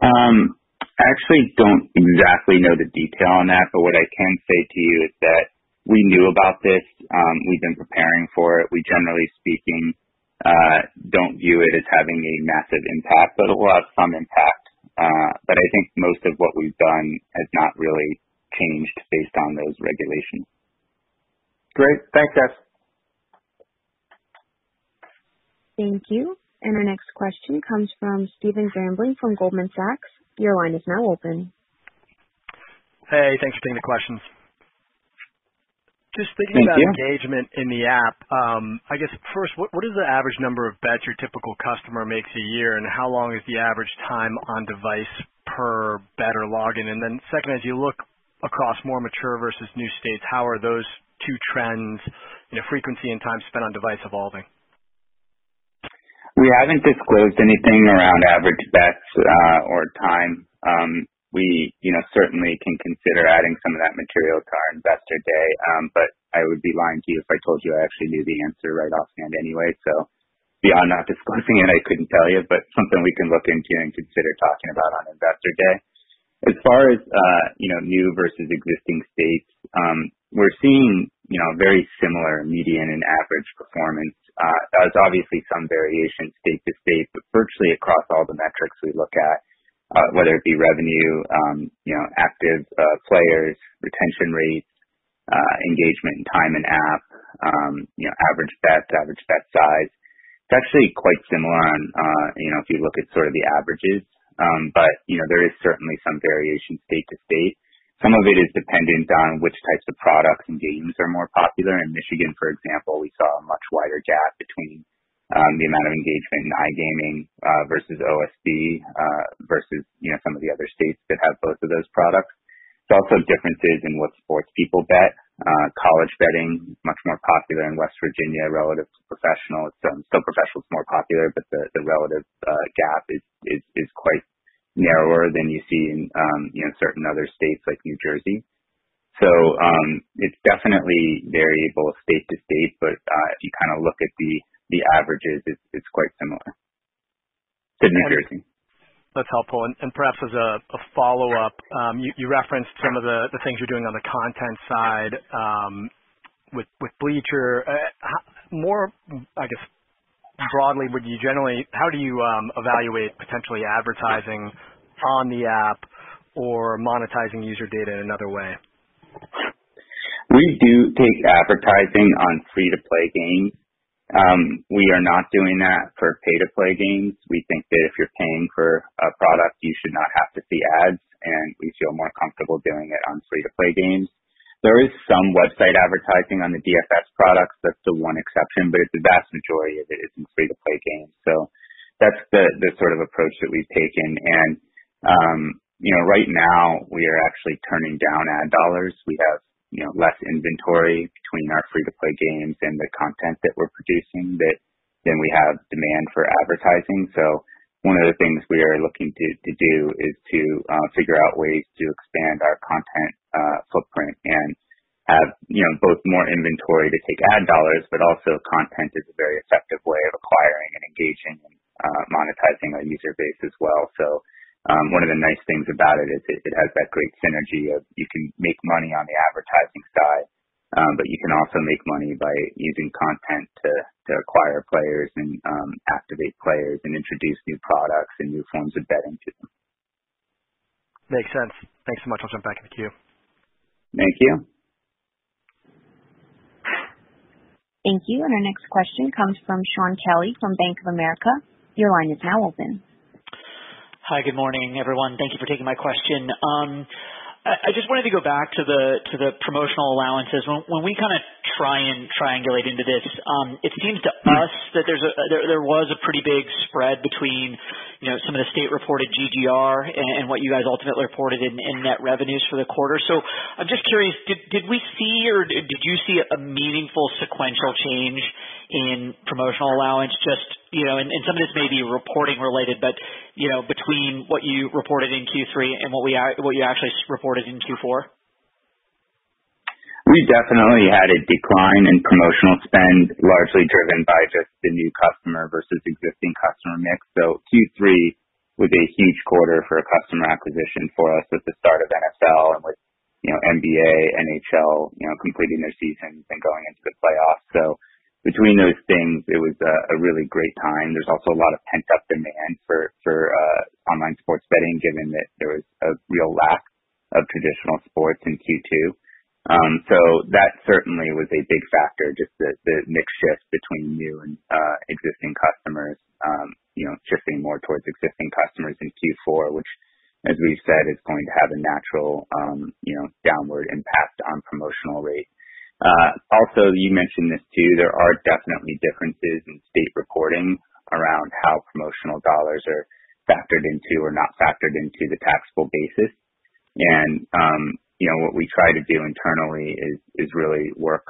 I actually don't exactly know the detail on that, but what I can say to you is that we knew about this. We've been preparing for it. We generally speaking, don't view it as having a massive impact, but it will have some impact. I think most of what we've done has not really changed based on those regulations. Great. Thanks, guys. Thank you. Our next question comes from Stephen Grambling from Goldman Sachs. Your line is now open. Hey, thanks for taking the questions. Thank you. Just thinking about engagement in the app, I guess first, what is the average number of bets your typical customer makes a year, and how long is the average time on device per bet or login? And then second, as you look across more mature versus new states, how are those two trends, you know, frequency and time spent on device evolving? We haven't disclosed anything around average bets or time. We, you know, certainly can consider adding some of that material to our Investor Day. I would be lying to you if I told you I actually knew the answer right offhand anyway. Beyond not disclosing it, I couldn't tell you, but something we can look into and consider talking about on Investor Day. As far as, you know, new versus existing states, we're seeing, you know, very similar median and average performance. There's obviously some variation state-to-state, but virtually across all the metrics we look at, whether it be revenue, you know, active players, retention rates, engagement and time in app, you know, average bet, average bet size. It's actually quite similar on, you know, if you look at sort of the averages. You know, there is certainly some variation state-to-state. Some of it is dependent on which types of products and games are more popular. In Michigan, for example, we saw a much wider gap between the amount of engagement in iGaming versus OSB versus, you know, some of the other states that have both of those products. There's also differences in what sports people bet. College betting is much more popular in West Virginia relative to professional. It's still professional is more popular, but the relative gap is quite narrower than you see in, you know, certain other states like New Jersey. It's definitely variable state-to-state, but if you kinda look at the averages, it's quite similar in New Jersey. That's helpful. And perhaps as a follow-up, you referenced some of the things you're doing on the content side with Bleacher. More, I guess, broadly, how do you evaluate potentially advertising on the app or monetizing user data in another way? We do take advertising on free-to-play games. We are not doing that for pay-to-play games. We think that if you're paying for a product, you should not have to see ads, and we feel more comfortable doing it on free-to-play games. There is some website advertising on the DFS products. That's the one exception, but the vast majority of it is in free-to-play games. That's the sort of approach that we've taken. You know, right now we are actually turning down ad dollars. We have, you know, less inventory between our free-to-play games and the content that we're producing than we have demand for advertising. One of the things we are looking to do is to figure out ways to expand our content footprint and have, you know, both more inventory to take ad dollars, but also content is a very effective way of acquiring and engaging and monetizing our user base as well. One of the nice things about it is it has that great synergy of you can make money on the advertising side, but you can also make money by using content to acquire players and activate players and introduce new products and new forms of betting to them. Makes sense. Thanks so much. I'll jump back in the queue. Thank you. Thank you. Our next question comes from Shaun Kelley from Bank of America. Your line is now open. Hi, good morning, everyone. Thank you for taking my question. I just wanted to go back to the promotional allowances. When we kinda try and triangulate into this, it seems to us that there was a pretty big spread between, you know, some of the state-reported GGR and what you guys ultimately reported in net revenues for the quarter. I'm just curious, did we see or did you see a meaningful sequential change in promotional allowance just, you know, and some of this may be reporting related, but, you know, between what you reported in Q3 and what you actually reported in Q4? We definitely had a decline in promotional spend, largely driven by just the new customer versus existing customer mix. Q3 was a huge quarter for customer acquisition for us at the start of NFL and with NBA, NHL completing their seasons and going into the playoffs. Between those things, it was a really great time. There's also a lot of pent-up demand for online sports betting, given that there was a real lack of traditional sports in Q2. That certainly was a big factor, just the mix shift between new and existing customers, shifting more towards existing customers in Q4, which as we've said, is going to have a natural downward impact on promotional rate. Also, you mentioned this too, there are definitely differences in state reporting around how promotional dollars are factored into or not factored into the taxable basis. You know, what we try to do internally is really work,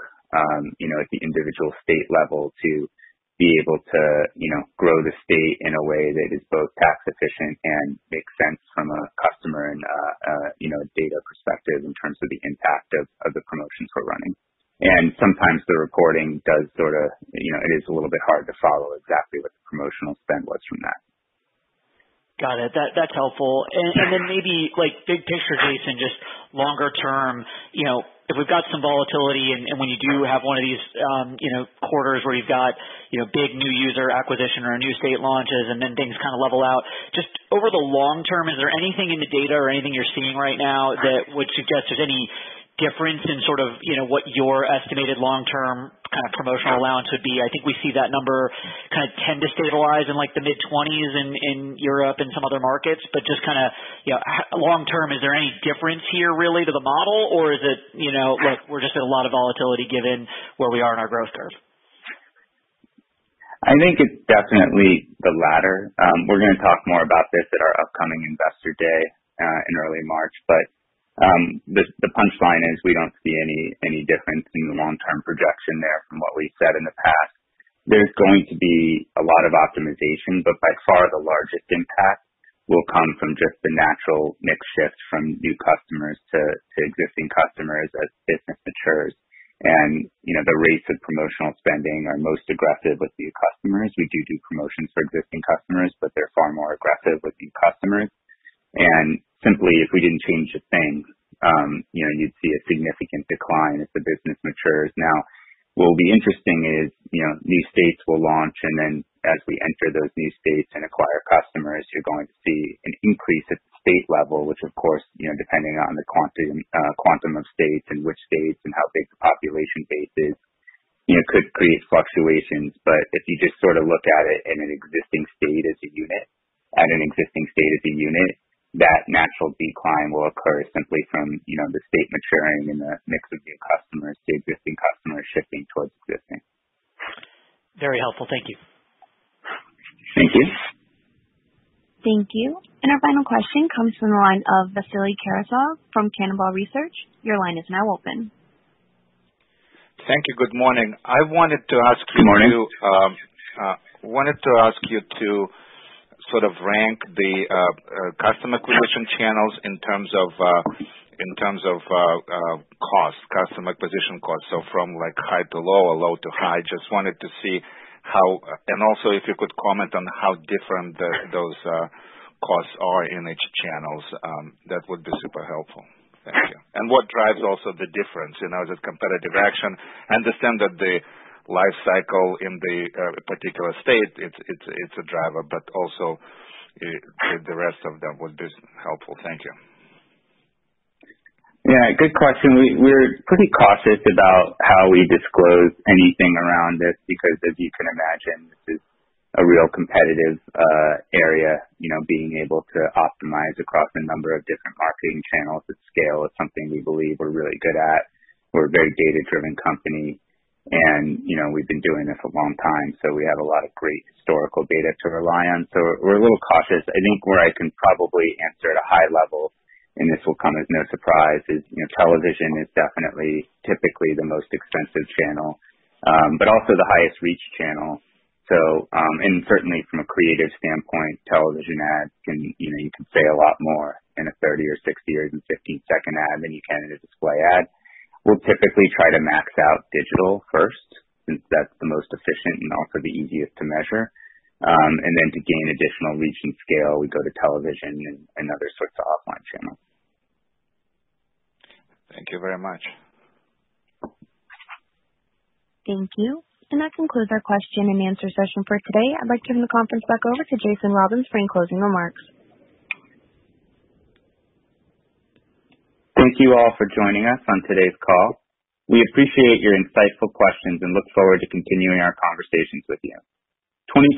you know, at the individual state level to be able to, you know, grow the state in a way that is both tax efficient and makes sense from a customer and, you know, data perspective in terms of the impact of the promotions we're running. Sometimes the reporting does sorta, you know, it is a little bit hard to follow exactly what the promotional spend was from that. Got it. That's helpful. Then maybe like big picture, Jason, just longer term, you know, if we've got some volatility, and when you do have one of these, you know, quarters where you've got, you know, big new user acquisition or new state launches and then things kind of level out, just over the long term, is there anything in the data or anything you're seeing right now that would suggest there's any difference in sort of, you know, what your estimated long-term kind of promotional allowance would be? I think we see that number kind of tend to stabilize in like the mid-20%s in Europe and some other markets, but just kinda, you know, long term, is there any difference here really to the model or is it, you know, look, we're just at a lot of volatility given where we are in our growth curve? I think it's definitely the latter. We're gonna talk more about this at our upcoming Investor Day in early March. The punchline is we don't see any difference in the long-term projection there from what we've said in the past. There's going to be a lot of optimization, but by far the largest impact will come from just the natural mix shift from new customers to existing customers as business matures. You know, the rates of promotional spending are most aggressive with new customers. We do promotions for existing customers, but they're far more aggressive with new customers. Simply, if we didn't change a thing, you know, you'd see a significant decline as the business matures. What will be interesting is, you know, new states will launch, as we enter those new states and acquire customers, you're going to see an increase at the state level, which of course, you know, depending on the quantum of states and which states and how big the population base is, you know, could create fluctuations. If you just sort of look at it in an existing state as a unit, that natural decline will occur simply from, you know, the state maturing and the mix of new customers to existing customers shifting towards existing. Very helpful. Thank you. Thank you. Thank you. Our final question comes from the line of Vasily Karasyov from Cannonball Research. Thank you. Good morning. I wanted to ask you- Good morning. ...wanted to ask you to sort of rank the customer acquisition channels in terms of in terms of cost, customer acquisition cost, so from like high to low or low to high. Just wanted to see how. Also if you could comment on how different those costs are in each channels, that would be super helpful. Thank you. What drives also the difference? You know, is it competitive action? I understand that the life cycle in the particular state, it's a driver, but also with the rest of them would be helpful. Thank you. Yeah, good question. We're pretty cautious about how we disclose anything around this because as you can imagine, this is a real competitive area. You know, being able to optimize across a number of different marketing channels at scale is something we believe we're really good at. We're a very data-driven company and, you know, we've been doing this a long time, so we have a lot of great historical data to rely on. We're a little cautious. I think where I can probably answer at a high level, and this will come as no surprise, is, you know, television is definitely typically the most expensive channel, but also the highest reach channel. Certainly from a creative standpoint, television ads can, you know, you can say a lot more in a 30 or 60 or even 15-second ad than you can in a display ad. We'll typically try to max out digital first since that's the most efficient and also the easiest to measure. Then to gain additional reach and scale, we go to television and other sorts of offline channels. Thank you very much. Thank you. That concludes our question-and-answer session for today. I'd like to turn the conference back over to Jason Robins for any closing remarks. Thank you all for joining us on today's call. We appreciate your insightful questions and look forward to continuing our conversations with you.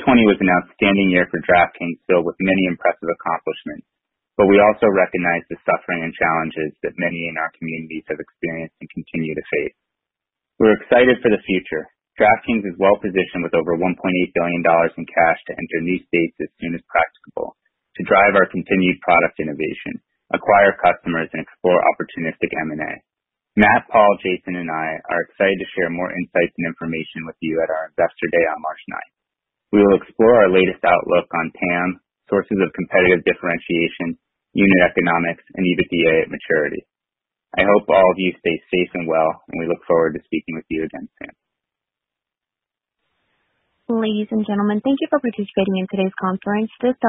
2020 was an outstanding year for DraftKings, filled with many impressive accomplishments, but we also recognize the suffering and challenges that many in our communities have experienced and continue to face. We're excited for the future. DraftKings is well-positioned with over $1.8 billion in cash to enter new states as soon as practicable to drive our continued product innovation, acquire customers, and explore opportunistic M&A. Matt, Paul, Jason and I are excited to share more insights and information with you at our Investor Day on March 9th. We will explore our latest outlook on TAM, sources of competitive differentiation, unit economics, and EBITDA maturity. I hope all of you stay safe and well, and we look forward to speaking with you again soon. Ladies and gentlemen, thank you for participating in today's conference.